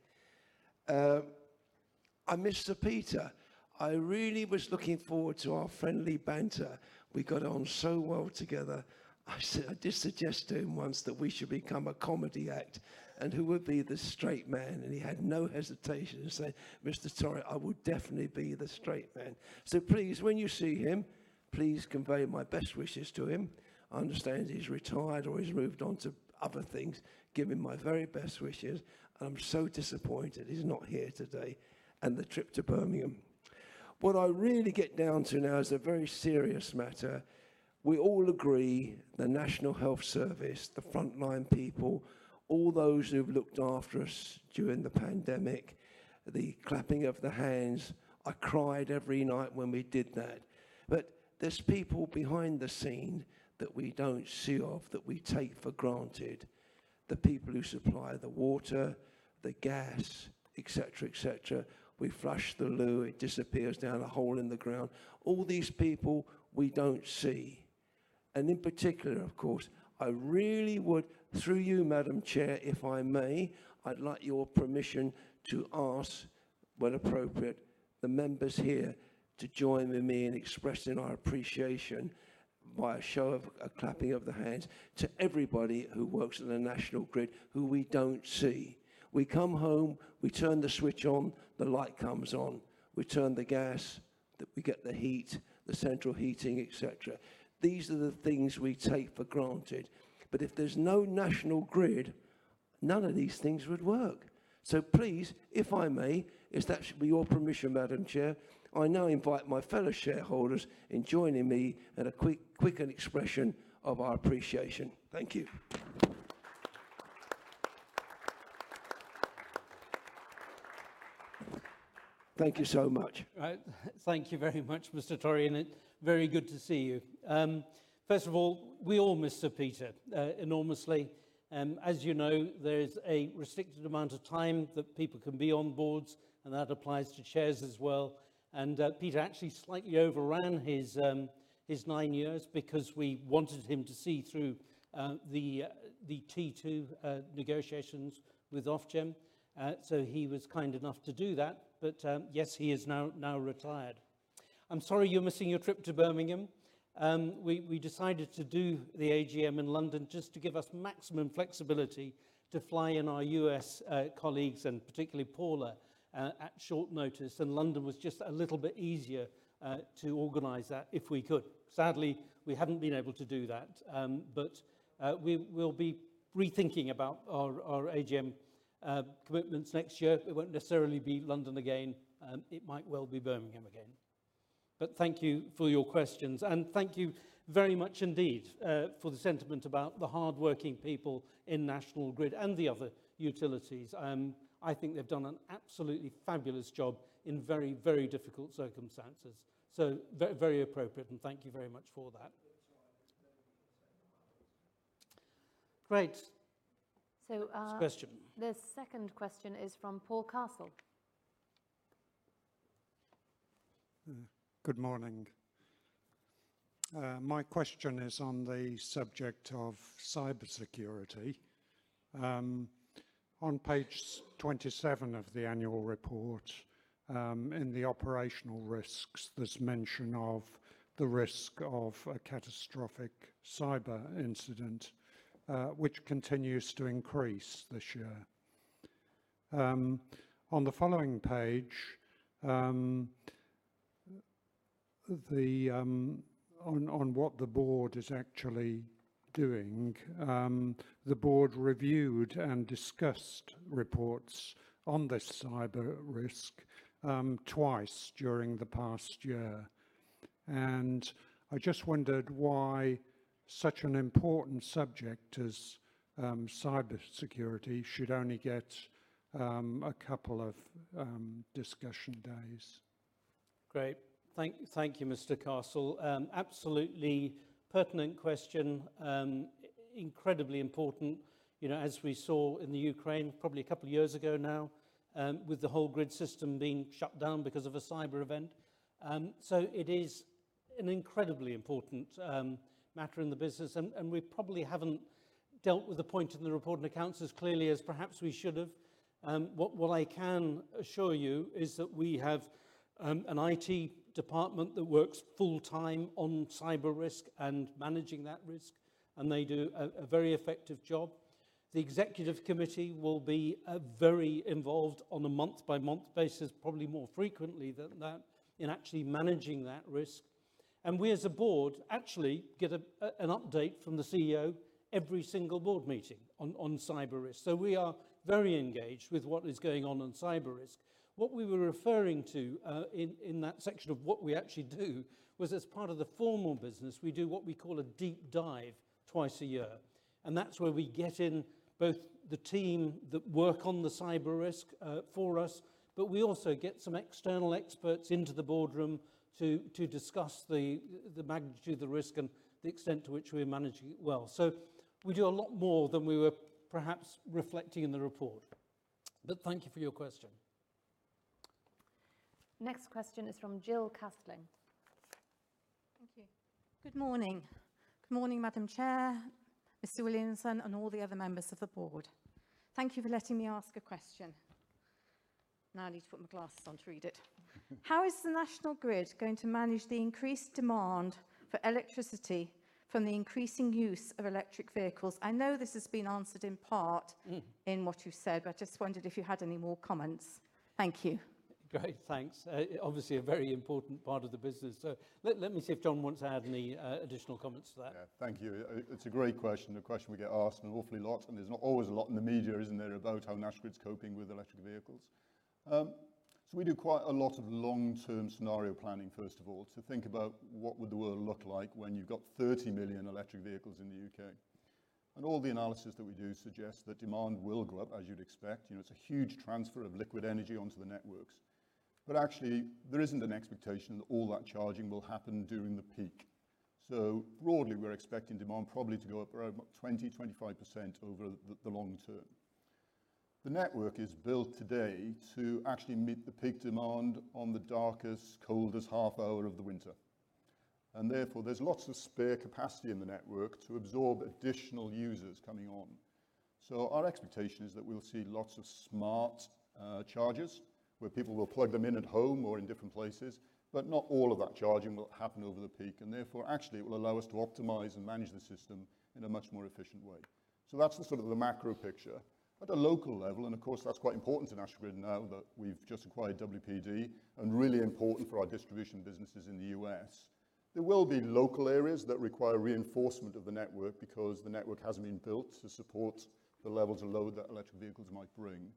I miss Sir Peter. I really was looking forward to our friendly banter. We got on so well together. I did suggest to him once that we should become a comedy act, who would be the straight man, he had no hesitation to say, "Mr. Torry, I would definitely be the straight man." Please, when you see him, please convey my best wishes to him. I understand he's retired or he's moved on to other things. Give him my very best wishes, I'm so disappointed he's not here today, the trip to Birmingham. What I really get down to now is a very serious matter. We all agree the National Health Service, the frontline people, all those who've looked after us during the pandemic, the clapping of the hands, I cried every night when we did that. There's people behind the scene that we don't see of, that we take for granted. The people who supply the water, the gas, et cetera. We flush the loo, it disappears down a hole in the ground. All these people we don't see. In particular, of course, I really would, through you, Madam Chair, if I may, I'd like your permission to ask, when appropriate, the members here to join with me in expressing our appreciation by a show of a clapping of the hands to everybody who works in the National Grid who we don't see. We come home, we turn the switch on, the light comes on. We turn the gas, we get the heat, the central heating, et cetera. These are the things we take for granted. If there's no National Grid, none of these things would work. Please, if I may, if that should be your permission, Madam Chair, I now invite my fellow shareholders in joining me in a quick expression of our appreciation. Thank you. Thank you so much. Thank you very much, Mr. Torry. Very good to see you. First of all, we all miss Sir Peter enormously. As you know, there is a restricted amount of time that people can be on boards. That applies to chairs as well. Peter actually slightly overran his 9 years because we wanted him to see through the T2 negotiations with Ofgem. He was kind enough to do that. Yes, he is now retired. I'm sorry you're missing your trip to Birmingham. We decided to do the AGM in London just to give us maximum flexibility to fly in our U.S. colleagues, and particularly Paula, at short notice, and London was just a little bit easier to organize that if we could. Sadly, we haven't been able to do that. We'll be rethinking about our AGM commitments next year. It won't necessarily be London again. It might well be Birmingham again. Thank you for your questions, and thank you very much indeed, for the sentiment about the hardworking people in National Grid and the other utilities. I think they've done an absolutely fabulous job in very difficult circumstances. Very appropriate and thank you very much for that. Great. So- Next question. The second question is from Paul Castle. Good morning. My question is on the subject of cybersecurity. On page 27 of the annual report, in the operational risks, there's mention of the risk of a catastrophic cyber incident, which continues to increase this year. On the following page, on what the board is actually doing, the board reviewed and discussed reports on this cyber risk, twice during the past year. I just wondered why such an important subject as cybersecurity should only get a couple of discussion days. Great. Thank you, Mr. Castle. Absolutely pertinent question. Incredibly important. As we saw in the Ukraine probably a couple of years ago now, with the whole grid system being shut down because of a cyber event. It is an incredibly important matter in the business and we probably haven't dealt with the point in the report and accounts as clearly as perhaps we should have. What I can assure you is that we have an IT department that works full-time on cyber risk and managing that risk, and they do a very effective job. The Executive Committee will be very involved on a month-by-month basis, probably more frequently than that, in actually managing that risk. We, as a board, actually get an update from the CEO every single board meeting on cyber risk. We are very engaged with what is going on cyber risk. What we were referring to in that section of what we actually do was, as part of the formal business, we do what we call a deep dive twice a year. That's where we get in both the team that work on the cyber risk for us, but we also get some external experts into the boardroom to discuss the magnitude of the risk and the extent to which we are managing it well. We do a lot more than we were perhaps reflecting in the report. Thank you for your question. Next question is from Jill Castling. Thank you. Good morning. Good morning, Madam Chair, Mr. Williamson, and all the other members of the board. Thank you for letting me ask a question. Now I need to put my glasses on to read it. How is the National Grid going to manage the increased demand for electricity from the increasing use of electric vehicles? I know this has been answered in part. in what you've said, I just wondered if you had any more comments. Thank you. Great. Thanks. Obviously, a very important part of the business. Let me see if John wants to add any additional comments to that. Yeah. Thank you. It's a great question. A question we get asked an awfully lot, there's not always a lot in the media, isn't there, about how National Grid's coping with electric vehicles. We do quite a lot of long-term scenario planning, first of all, to think about what would the world look like when you've got 30 million electric vehicles in the U.K. All the analysis that we do suggests that demand will go up, as you'd expect. It's a huge transfer of liquid energy onto the networks. Actually, there isn't an expectation that all that charging will happen during the peak. Broadly, we're expecting demand probably to go up around about 20%-25% over the long term. The network is built today to actually meet the peak demand on the darkest, coldest half hour of the winter. Therefore, there's lots of spare capacity in the network to absorb additional users coming on. Our expectation is that we'll see lots of smart chargers where people will plug them in at home or in different places. Not all of that charging will happen over the peak. Therefore, actually, it will allow us to optimize and manage the system in a much more efficient way. That's the sort of the macro picture. At a local level, and of course that's quite important to National Grid now that we've just acquired WPD, and really important for our distribution businesses in the U.S., there will be local areas that require reinforcement of the network because the network hasn't been built to support the levels of load that electric vehicles might bring.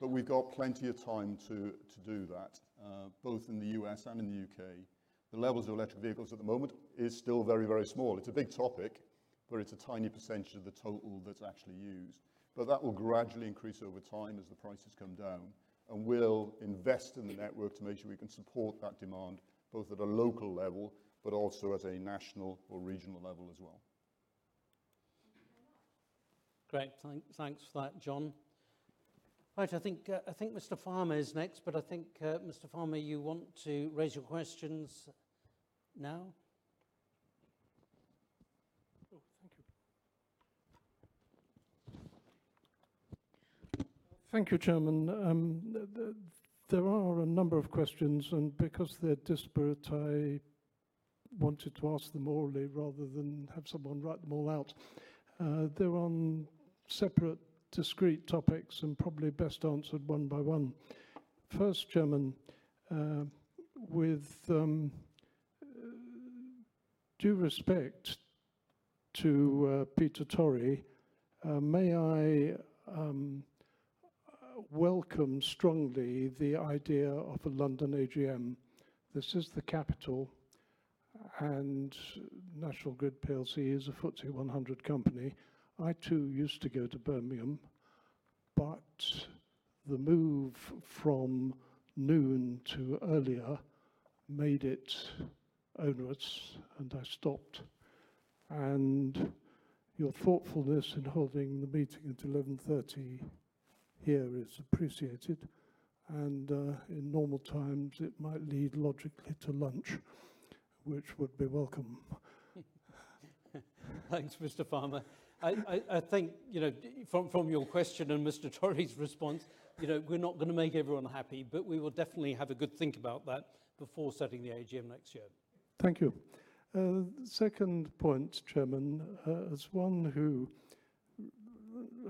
We've got plenty of time to do that, both in the U.S. and in the U.K. The levels of electric vehicles at the moment is still very, very small. It's a big topic, but it's a tiny percentage of the total that's actually used. That will gradually increase over time as the prices come down, and we'll invest in the network to make sure we can support that demand, both at a local level, but also at a national or regional level as well. Thank you very much. Great. Thanks for that, John. Right. I think, Mr. Farman is next, but I think, Mr. Farman, you want to raise your questions now? Thank you. Thank you, Chairman. There are a number of questions, and because they're disparate, I wanted to ask them orally rather than have someone write them all out. They're on separate, discrete topics, and probably best answered one by one. First, Chairman, with due respect to Peter Torry, may I welcome strongly the idea of a London AGM? This is the capital, and National Grid plc is a FTSE 100 company. I, too, used to go to Birmingham, but the move from noon to earlier made it onerous and I stopped. Your thoughtfulness in holding the meeting at 11:30 here is appreciated. In normal times, it might lead logically to lunch, which would be welcome. Thanks, Mr. Farman. I think from your question and Mr. Torry's response, we're not going to make everyone happy, but we will definitely have a good think about that before setting the AGM next year. Thank you. Second point, Chairman, as one who,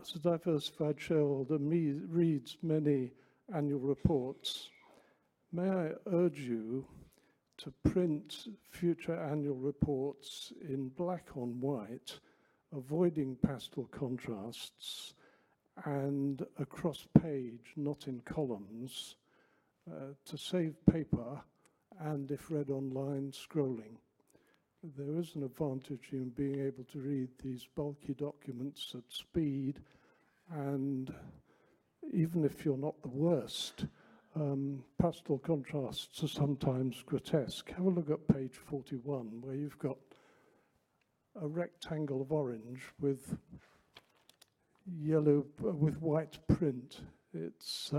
as a diversified shareholder, reads many annual reports, may I urge you to print future annual reports in black on white, avoiding pastel contrasts, and across page, not in columns, to save paper, and if read online, scrolling. There is an advantage in being able to read these bulky documents at speed, even if you're not the worst, pastel contrasts are sometimes grotesque. Have a look at page 41, where you've got a rectangle of orange with yellow, with white print. It's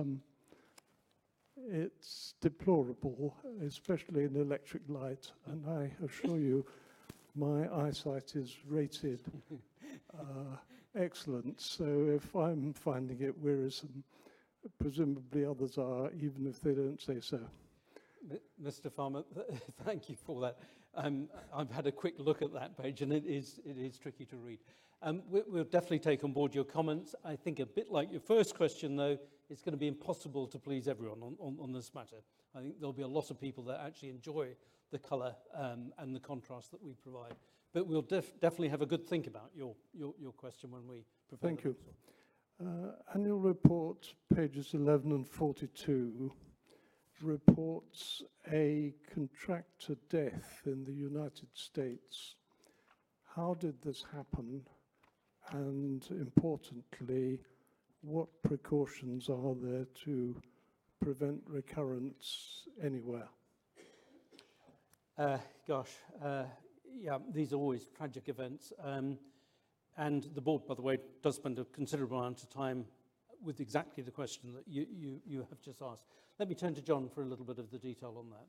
deplorable, especially in electric light. I assure you, my eyesight is rated excellent. If I'm finding it wearisome, presumably others are, even if they don't say so. Mr. Farman, thank you for that. I've had a quick look at that page, and it is tricky to read. We'll definitely take on board your comments. I think a bit like your first question, though, it's going to be impossible to please everyone on this matter. I think there'll be a lot of people that actually enjoy the color and the contrast that we provide. We'll definitely have a good think about your question when we prepare. Thank you. Annual report, pages 11 and 42 reports a contractor death in the U.S. How did this happen? Importantly, what precautions are there to prevent recurrence anywhere? Gosh. Yeah, these are always tragic events. The board, by the way, does spend a considerable amount of time with exactly the question that you have just asked. Let me turn to John for a little bit of the detail on that.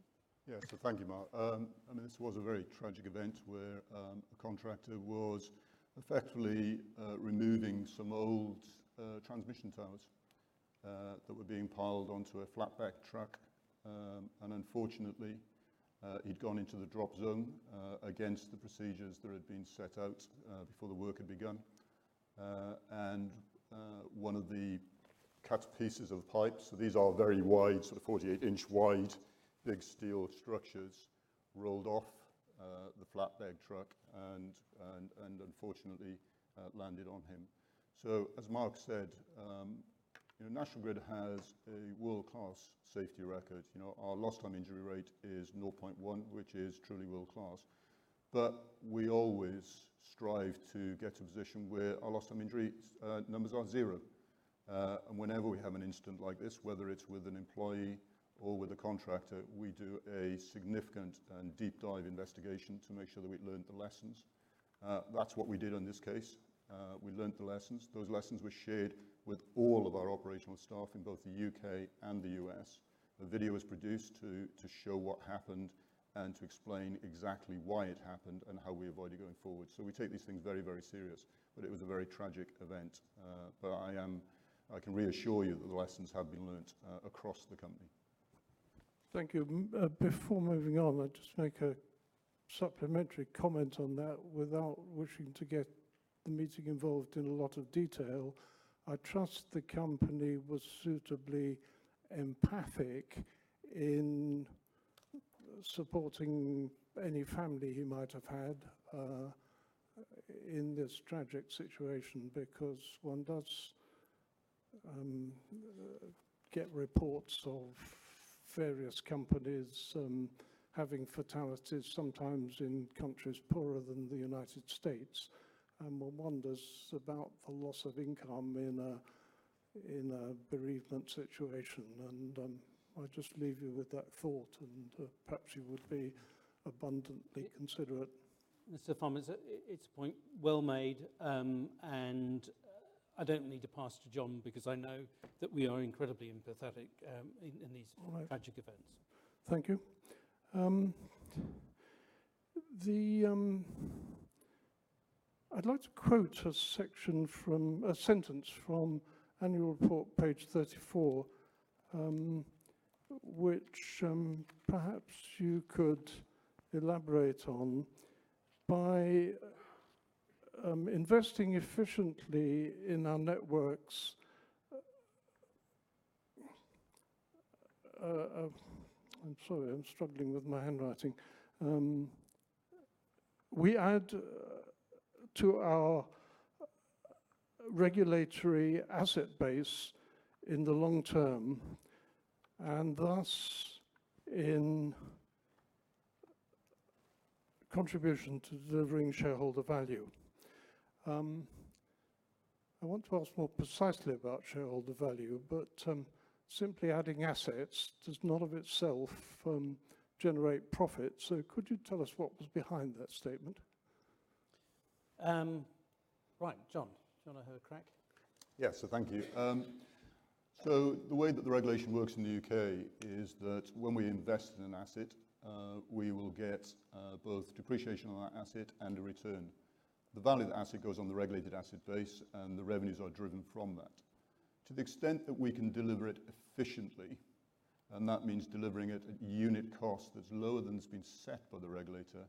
Yeah. Thank you, Mark. This was a very tragic event where a contractor was effectively removing some old transmission towers that were being piled onto a flatbed truck. Unfortunately, he'd gone into the drop zone against the procedures that had been set out before the work had begun. One of the cut pieces of pipe, so these are very wide, sort of 48-inch wide, big steel structures, rolled off the flatbed truck and unfortunately landed on him. As Mark said, National Grid has a world-class safety record. Our lost time injury rate is 0.1, which is truly world-class. We always strive to get to a position where our lost time injury numbers are zero. Whenever we have an incident like this, whether it's with an employee or with a contractor, we do a significant and deep dive investigation to make sure that we've learned the lessons. That's what we did in this case. We learned the lessons. Those lessons were shared with all of our operational staff in both the U.K. and the U.S. A video was produced to show what happened and to explain exactly why it happened and how we avoid it going forward. We take these things very, very serious, but it was a very tragic event. I can reassure you that the lessons have been learned across the company. Thank you. Before moving on, I'd just make a supplementary comment on that without wishing to get the meeting involved in a lot of detail. I trust the company was suitably empathic in supporting any family he might have had in this tragic situation, because one does get reports of various companies having fatalities, sometimes in countries poorer than the U.S. One wonders about the loss of income in a bereavement situation, and I just leave you with that thought, and perhaps you would be abundantly considerate. Mr. Farman, it's a point well made, and I don't need to pass to John because I know that we are incredibly empathetic in these tragic events. All right. Thank you. I'd like to quote a sentence from annual report page 34, which perhaps you could elaborate on. "By investing efficiently in our networks" I'm sorry, I'm struggling with my handwriting. "We add to our regulatory asset base in the long term, and thus in contribution to delivering shareholder value." I want to ask more precisely about shareholder value, simply adding assets does not of itself generate profit. Could you tell us what was behind that statement? Right. John. Do you want to have a crack? Yeah. Thank you. The way that the regulation works in the U.K. is that when we invest in an asset, we will get both depreciation on that asset and a return. The value of the asset goes on the regulated asset base, and the revenues are driven from that. To the extent that we can deliver it efficiently, and that means delivering it at unit cost that's lower than has been set by the regulator,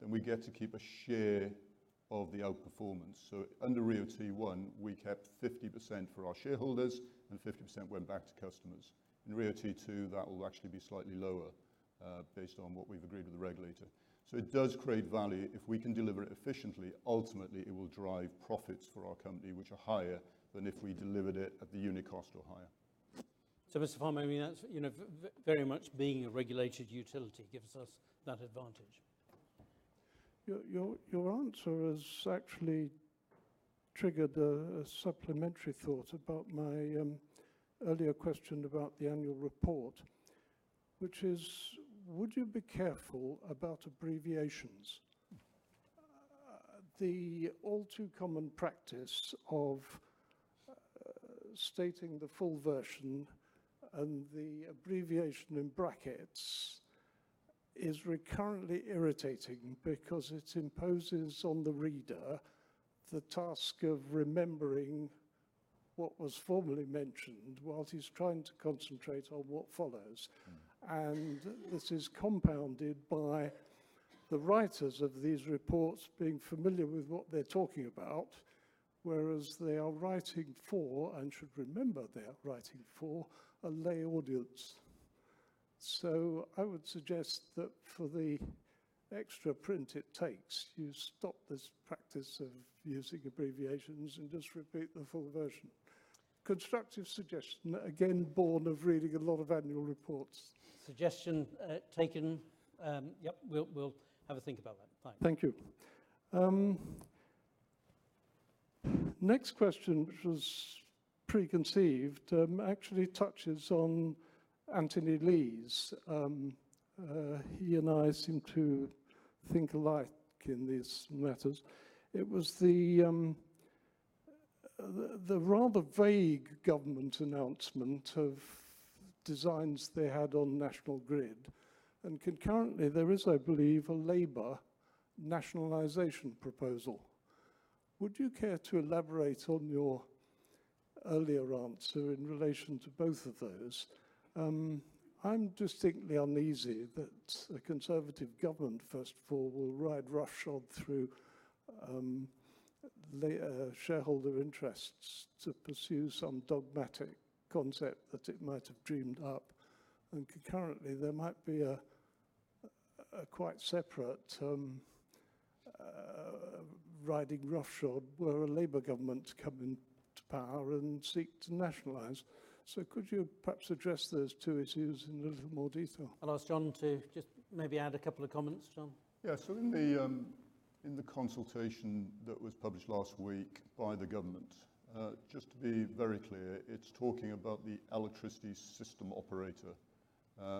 then we get to keep a share of the outperformance. Under RIIO-T1, we kept 50% for our shareholders, and 50% went back to customers. In RIIO-T2, that will actually be slightly lower based on what we've agreed with the regulator. It does create value. If we can deliver it efficiently, ultimately it will drive profits for our company, which are higher than if we delivered it at the unit cost or higher. Mr. Farman, that's very much being a regulated utility gives us that advantage. Your answer has actually triggered a supplementary thought about my earlier question about the annual report, which is, would you be careful about abbreviations? The all too common practice of stating the full version and the abbreviation in brackets is recurrently irritating because it imposes on the reader the task of remembering what was formerly mentioned whilst he's trying to concentrate on what follows. This is compounded by the writers of these reports being familiar with what they're talking about, whereas they are writing for, and should remember they are writing for, a lay audience. I would suggest that for the extra print it takes, you stop this practice of using abbreviations and just repeat the full version. Constructive suggestion, again, born of reading a lot of annual reports. Suggestion taken. Yep, we'll have a think about that. Fine. Thank you. Next question, which was preconceived, actually touches on Anthony Lee's. He and I seem to think alike in these matters. It was the rather vague government announcement of designs they had on National Grid, and concurrently, there is, I believe, a Labour nationalization proposal. Would you care to elaborate on your earlier answer in relation to both of those? I'm distinctly uneasy that a Conservative government, first of all, will ride roughshod through shareholder interests to pursue some dogmatic concept that it might have dreamed up, and concurrently there might be a quite separate riding roughshod where a Labour government come into power and seek to nationalize. Could you perhaps address those two issues in a little more detail? I'll ask John to just maybe add a couple of comments. John? Yeah. In the consultation that was published last week by the government, just to be very clear, it's talking about the electricity system operator,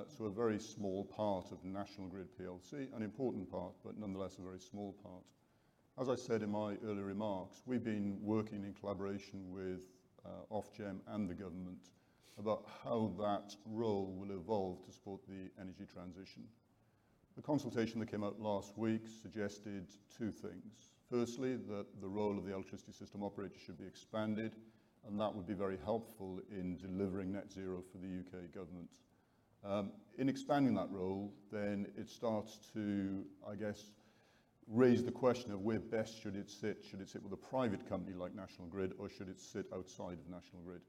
so a very small part of National Grid plc, an important part, but nonetheless a very small part. As I said in my earlier remarks, we've been working in collaboration with Ofgem and the government about how that role will evolve to support the energy transition. The consultation that came out last week suggested two things. Firstly, that the role of the electricity system operator should be expanded, and that would be very helpful in delivering net zero for the U.K. government. In expanding that role, it starts to, I guess, raise the question of where best should it sit. Should it sit with a private company like National Grid, or should it sit outside of National Grid?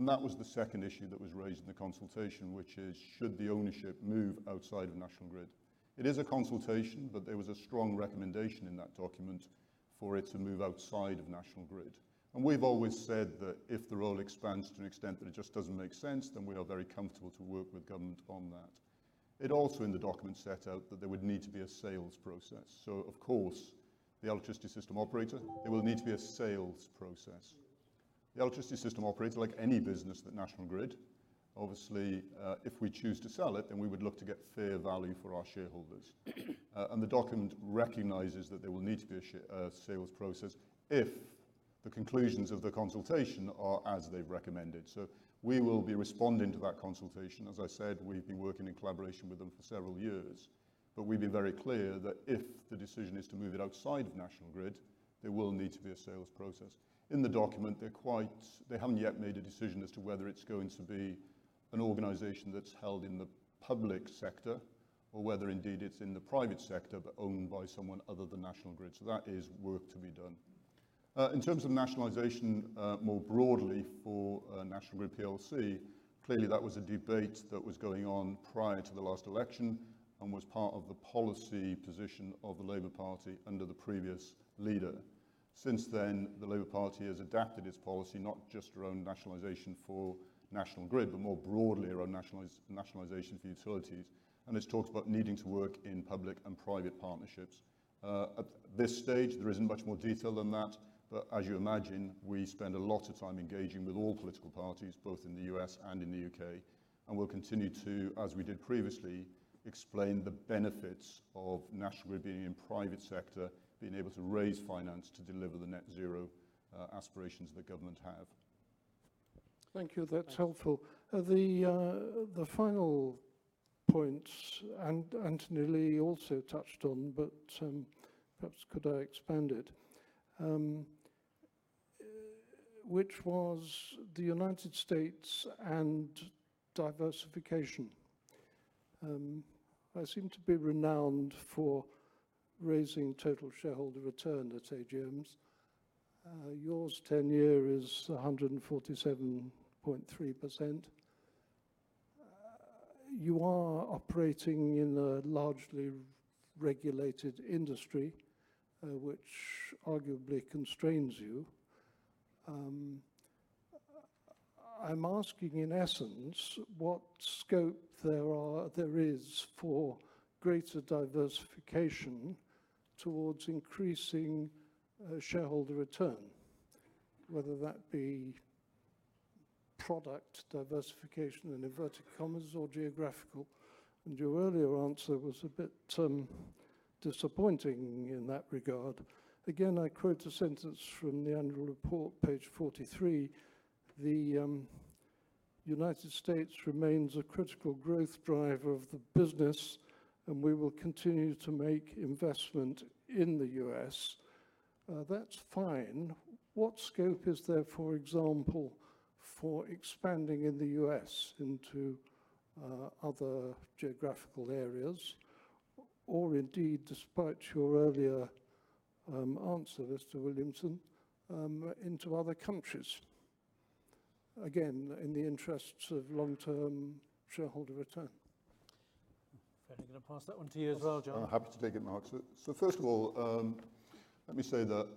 That was the second issue that was raised in the consultation, which is should the ownership move outside of National Grid? It is a consultation, there was a strong recommendation in that document for it to move outside of National Grid. We've always said that if the role expands to an extent that it just doesn't make sense, then we are very comfortable to work with government on that. It also, in the document, set out that there would need to be a sales process. Of course, the electricity system operator, there will need to be a sales process. The electricity system operator, like any business at National Grid, obviously, if we choose to sell it, then we would look to get fair value for our shareholders. The document recognizes that there will need to be a sales process if the conclusions of the consultation are as they've recommended. We will be responding to that consultation. As I said, we've been working in collaboration with them for several years, but we've been very clear that if the decision is to move it outside of National Grid, there will need to be a sales process. In the document, they haven't yet made a decision as to whether it's going to be an organization that's held in the public sector or whether indeed it's in the private sector but owned by someone other than National Grid. That is work to be done. In terms of nationalization more broadly for National Grid plc, clearly that was a debate that was going on prior to the last election and was part of the policy position of the Labour Party under the previous leader. Since then, the Labour Party has adapted its policy not just around nationalization for National Grid, but more broadly around nationalization for utilities. It's talked about needing to work in public and private partnerships. At this stage, there isn't much more detail than that, but as you imagine, we spend a lot of time engaging with all political parties, both in the U.S. and in the U.K., and we'll continue to, as we did previously, explain the benefits of National Grid being in private sector, being able to raise finance to deliver the net zero aspirations that government have. Thank you. That's helpful. The final points, Anthony Lee also touched on, perhaps could I expand it, which was the United States and diversification. I seem to be renowned for raising total shareholder return at AGMs. Yours 10-year is 147.3%. You are operating in a largely regulated industry, which arguably constrains you. I'm asking in essence what scope there is for greater diversification towards increasing shareholder return, whether that be-product diversification in inverted commas or geographical, your earlier answer was a bit disappointing in that regard. Again, I quote a sentence from the annual report, page 43, "The United States remains a critical growth driver of the business, and we will continue to make investment in the U.S." That's fine. What scope is there, for example, for expanding in the U.S. into other geographical areas, or indeed, despite your earlier answer, Mr. Williamson, into other countries? Again, in the interests of long-term shareholder return. Fairly going to pass that one to you as well, John. Happy to take it, Mark. First of all, let me say that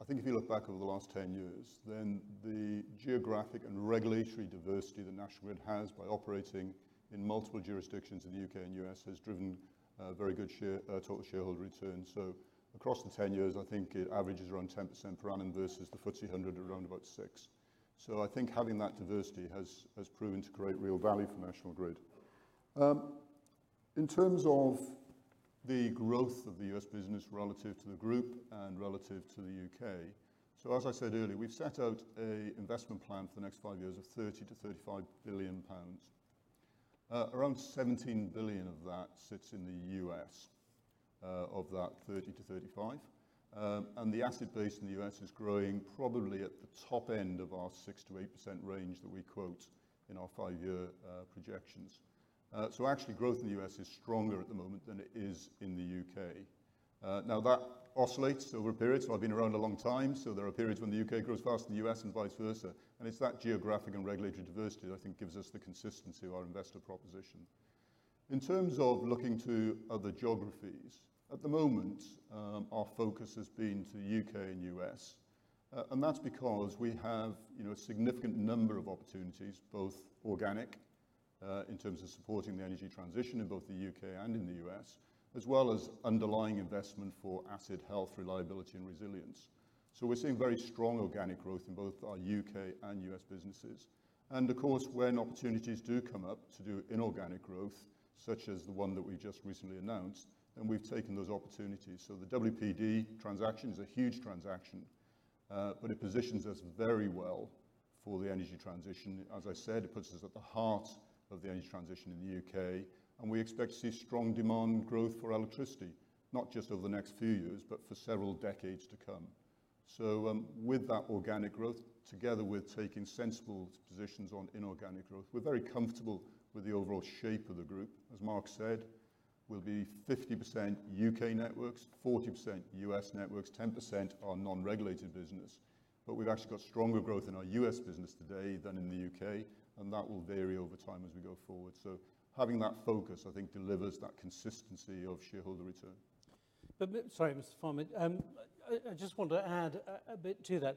I think if you look back over the last 10 years, then the geographic and regulatory diversity that National Grid has by operating in multiple jurisdictions in the U.K. and U.S. has driven very good total shareholder returns. Across the 10 years, I think it averages around 10% per annum versus the FTSE 100 around about six. I think having that diversity has proven to create real value for National Grid. In terms of the growth of the U.S. business relative to the group and relative to the U.K., as I said earlier, we've set out an investment plan for the next five years of 30 billion-35 billion pounds. Around 17 billion of that sits in the U.S., of that 30 to 35, and the asset base in the U.S. is growing probably at the top end of our 6%-8% range that we quote in our five-year projections. Actually growth in the U.S. is stronger at the moment than it is in the U.K. That oscillates over a period, I've been around a long time, there are periods when the U.K. grows faster than the U.S. and vice versa, and it's that geographic and regulatory diversity that I think gives us the consistency of our investor proposition. In terms of looking to other geographies, at the moment, our focus has been to the U.K. and U.S., and that's because we have a significant number of opportunities, both organic, in terms of supporting the energy transition in both the U.K. and in the U.S., as well as underlying investment for asset health, reliability, and resilience. We're seeing very strong organic growth in both our U.K. and U.S. businesses. Of course, when opportunities do come up to do inorganic growth, such as the one that we just recently announced, then we've taken those opportunities. The WPD transaction is a huge transaction, but it positions us very well for the energy transition. As I said, it puts us at the heart of the energy transition in the U.K. We expect to see strong demand growth for electricity, not just over the next few years, but for several decades to come. With that organic growth, together with taking sensible positions on inorganic growth, we're very comfortable with the overall shape of the group. As Mark said, we'll be 50% U.K. networks, 40% U.S. networks, 10% our non-regulated business. We've actually got stronger growth in our U.S. business today than in the U.K. That will vary over time as we go forward. Having that focus, I think, delivers that consistency of shareholder return. Sorry, Mr. Farman. I just want to add a bit to that.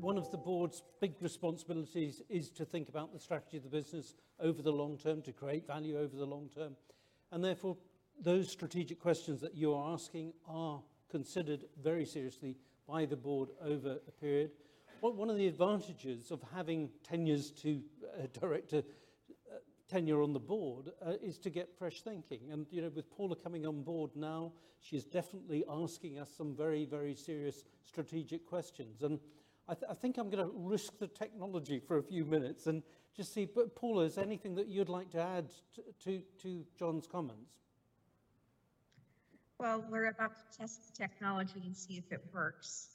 One of the board's big responsibilities is to think about the strategy of the business over the long term, to create value over the long term, therefore, those strategic questions that you are asking are considered very seriously by the board over a period. One of the advantages of having tenures to director tenure on the board is to get fresh thinking. With Paula coming on board now, she's definitely asking us some very, very serious strategic questions. I think I'm going to risk the technology for a few minutes and just see. Paula, is there anything that you'd like to add to John's comments? Well, we're about to test the technology and see if it works,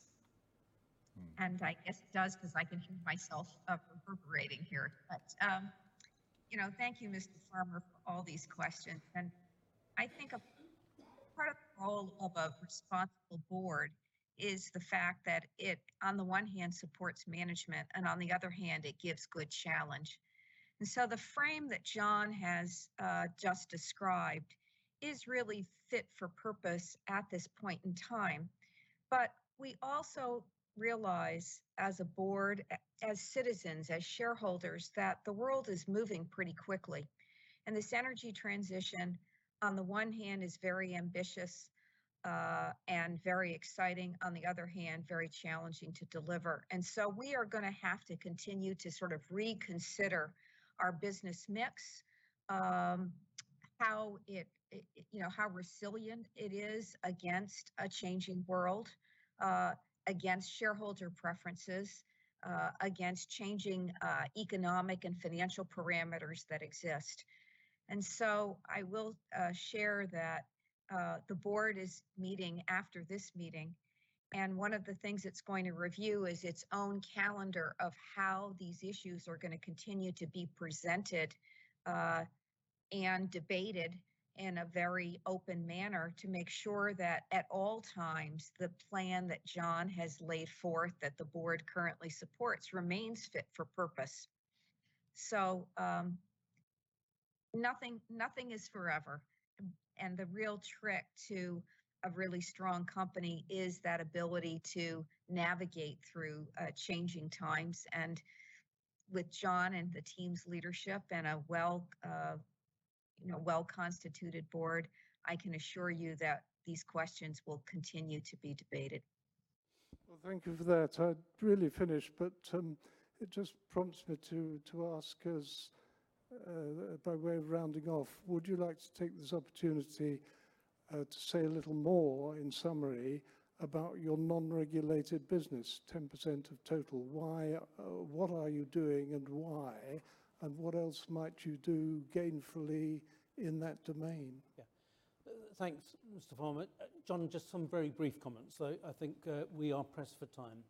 and I guess it does because I can hear myself reverberating here. Thank you, Mr. Farman, for all these questions. I think a part of the role of a responsible board is the fact that it, on the one hand, supports management, and on the other hand, it gives good challenge. The frame that John has just described is really fit for purpose at this point in time. We also realize as a board, as citizens, as shareholders, that the world is moving pretty quickly. This energy transition, on the one hand, is very ambitious and very exciting, on the other hand, very challenging to deliver. We are going to have to continue to sort of reconsider our business mix, how resilient it is against a changing world, against shareholder preferences, against changing economic and financial parameters that exist. I will share that the board is meeting after this meeting, and one of the things it's going to review is its own calendar of how these issues are going to continue to be presented and debated in a very open manner to make sure that at all times, the plan that John has laid forth, that the board currently supports, remains fit for purpose. Nothing is forever, and the real trick to a really strong company is that ability to navigate through changing times. With John and the team's leadership and a well-constituted board, I can assure you that these questions will continue to be debated. Well, thank you for that. I'd really finished, but it just prompts me to ask, as by way of rounding off, would you like to take this opportunity to say a little more in summary about your non-regulated business, 10% of total? What are you doing and why? What else might you do gainfully in that domain? Yeah. Thanks, Mr. Farman. John, just some very brief comments. I think we are pressed for time.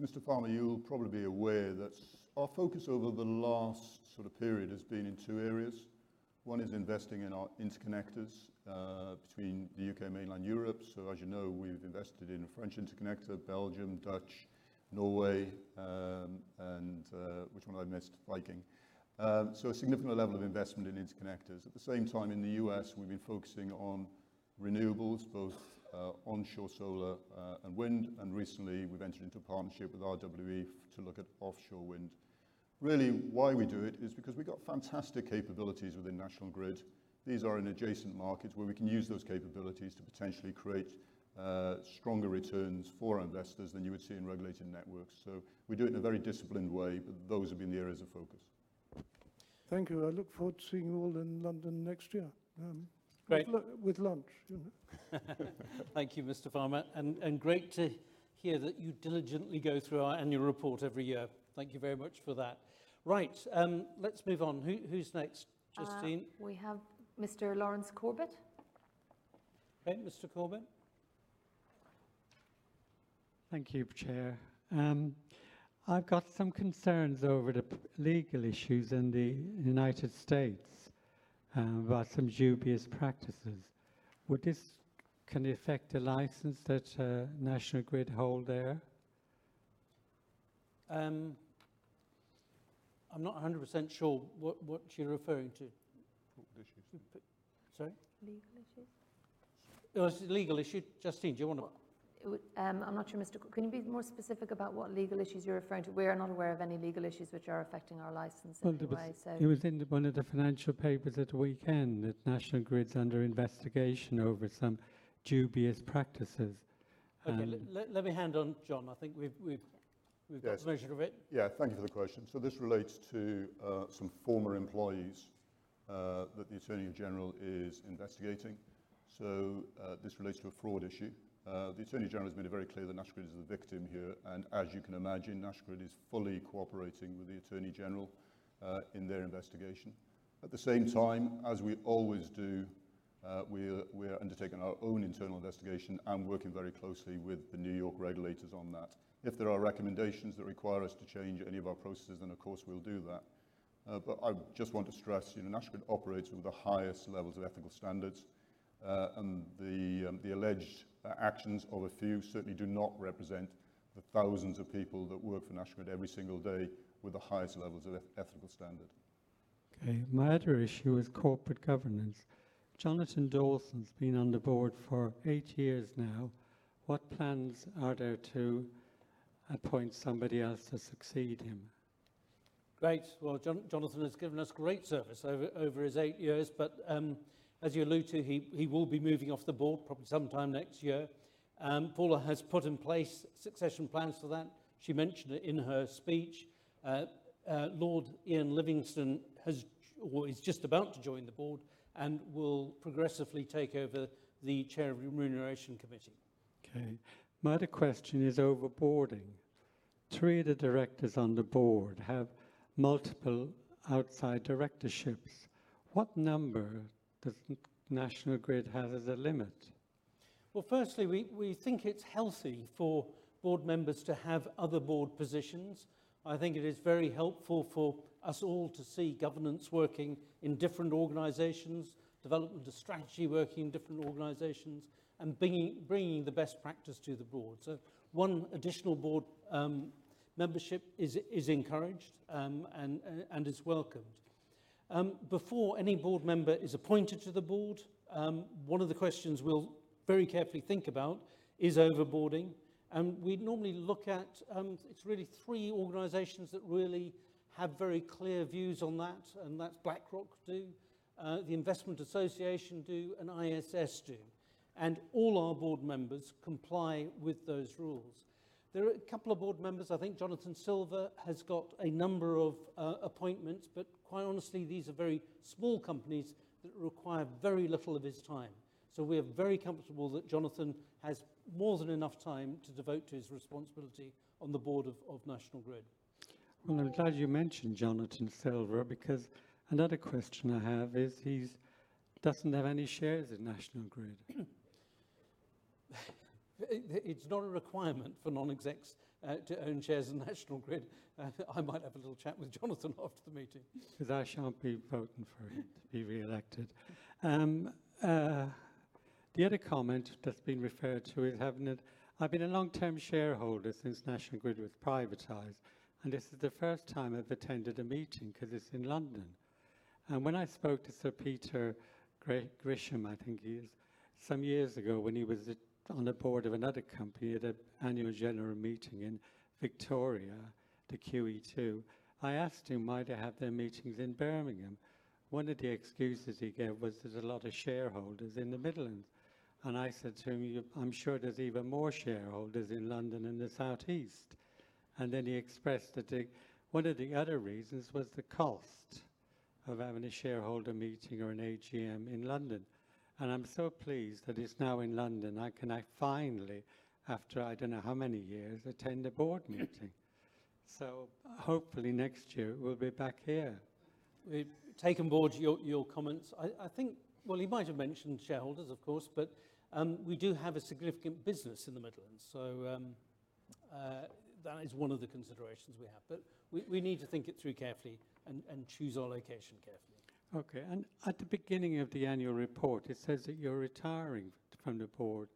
Mr. Farman, you'll probably be aware that our focus over the last period has been in two areas. One is investing in our interconnectors between the U.K. mainland Europe. As you know, we've invested in a French interconnector, Belgium, Dutch, Norway, and which one have I missed? Viking. A significant level of investment in interconnectors. At the same time, in the U.S., we've been focusing on renewables, both onshore solar and wind, and recently we've entered into a partnership with RWE to look at offshore wind. Really why we do it is because we've got fantastic capabilities within National Grid. These are in adjacent markets where we can use those capabilities to potentially create stronger returns for our investors than you would see in regulated networks. We do it in a very disciplined way, those have been the areas of focus. Thank you. I look forward to seeing you all in London next year. Great with lunch. Thank you, Mr. Farman. Great to hear that you diligently go through our annual report every year. Thank you very much for that. Let's move on. Who's next? Justine? We have Mr. Lawrence Corbett. Okay, Mr. Corbett. Thank you, Chair. I've got some concerns over the legal issues in the U.S. about some dubious practices. Can this affect a license that National Grid hold there? I'm not 100% sure what you're referring to. What issues? Sorry? Legal issues. Oh, it's a legal issue. Justine, do you want to I'm not sure, Mr. Corbett, can you be more specific about what legal issues you're referring to? We're not aware of any legal issues which are affecting our license in any way. It was in one of the financial papers at the weekend, that National Grid's under investigation over some dubious practices. Okay. Let me hand on, John. Yes got a solution of it. Yeah. Thank you for the question. This relates to some former employees that the attorney general is investigating. This relates to a fraud issue. The attorney general has made it very clear that National Grid is the victim here, and as you can imagine, National Grid is fully cooperating with the attorney general in their investigation. At the same time, as we always do, we're undertaking our own internal investigation and working very closely with the New York regulators on that. If there are recommendations that require us to change any of our processes, then, of course, we'll do that. I just want to stress, National Grid operates with the highest levels of ethical standards, and the alleged actions of a few certainly do not represent the thousands of people that work for National Grid every single day with the highest levels of ethical standard. Okay. My other issue is corporate governance. Jonathan Dawson's been on the board for eight years now. What plans are there to appoint somebody else to succeed him? Great. Well, Jonathan has given us great service over his eight years, as you allude to, he will be moving off the board probably sometime next year. Paula has put in place succession plans for that. She mentioned it in her speech. Ian Livingston is just about to join the board and will progressively take over the Chair of the Remuneration Committee. My other question is overboarding. Three of the directors on the board have multiple outside directorships. What number does National Grid have as a limit? Well, firstly, we think it's healthy for board members to have other board positions. I think it is very helpful for us all to see governance working in different organizations, development of strategy working in different organizations, and bringing the best practice to the board. one additional board membership is encouraged and is welcomed. Before any board member is appointed to the board, one of the questions we'll very carefully think about is overboarding. We'd normally look at, it's really three organizations that really have very clear views on that, and that's BlackRock do, The Investment Association do, and ISS do. All our board members comply with those rules. There are a couple of board members, I think Jonathan Silver has got a number of appointments, but quite honestly, these are very small companies that require very little of his time. We're very comfortable that Jonathan has more than enough time to devote to his responsibility on the board of National Grid. I'm glad you mentioned Jonathan Silver because another question I have is he doesn't have any shares in National Grid. It's not a requirement for non-execs to own shares in National Grid. I might have a little chat with Jonathan after the meeting. I shan't be voting for him to be reelected. The other comment that's been referred to is I've been a long-term shareholder since National Grid was privatized, and this is the first time I've attended a meeting because it's in London. When I spoke to Sir Peter Gershon, I think he is, some years ago when he was on the board of another company at an annual general meeting in Victoria, the QE2, I asked him why they have their meetings in Birmingham. One of the excuses he gave was there's a lot of shareholders in the Midlands. I said to him, "I'm sure there's even more shareholders in London and the South East." He expressed that one of the other reasons was the cost of having a shareholder meeting or an AGM in London. I'm so pleased that it's now in London. I can now finally, after I don't know how many years, attend a board meeting. Hopefully next year we'll be back here. We've taken on board your comments. I think, well, he might have mentioned shareholders, of course, but we do have a significant business in the Midlands, so that is one of the considerations we have. We need to think it through carefully and choose our location carefully. Okay. At the beginning of the annual report, it says that you're retiring from the board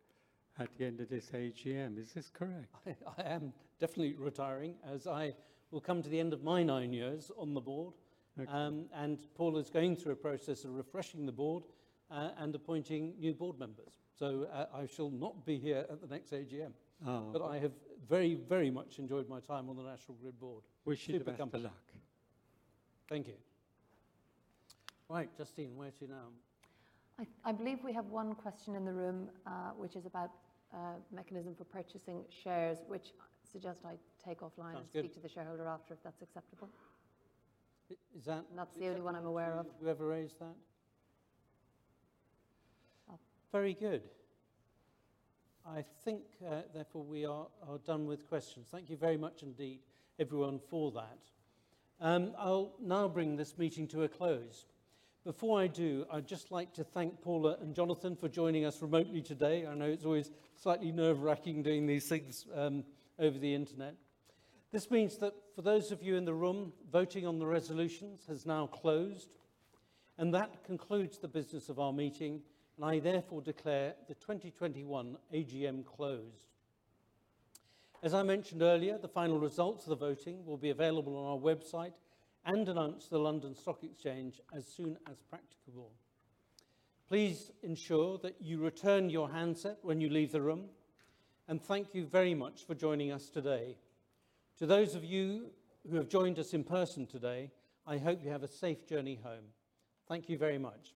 at the end of this AGM. Is this correct? I am definitely retiring, as I will come to the end of my nine years on the board. Okay. Paula's going through a process of refreshing the board, and appointing new board members. I shall not be here at the next AGM. Oh. I have very much enjoyed my time on the National Grid board. Super company. Wish you the best of luck. Thank you. Right, Justine, where to now? I believe we have one question in the room, which is about a mechanism for purchasing shares, which I suggest I take offline. Sounds good. Speak to the shareholder after, if that's acceptable. Is that- That's the only one I'm aware of. whoever raised that? Very good. I think, therefore, we are done with questions. Thank you very much indeed, everyone, for that. I'll now bring this meeting to a close. Before I do, I'd just like to thank Paula and Jonathan for joining us remotely today. I know it's always slightly nerve-wracking doing these things over the internet. This means that for those of you in the room, voting on the resolutions has now closed. That concludes the business of our meeting, and I therefore declare the 2021 AGM closed. As I mentioned earlier, the final results of the voting will be available on our website and announced to the London Stock Exchange as soon as practicable. Please ensure that you return your handset when you leave the room, and thank you very much for joining us today. To those of you who have joined us in person today, I hope you have a safe journey home. Thank you very much.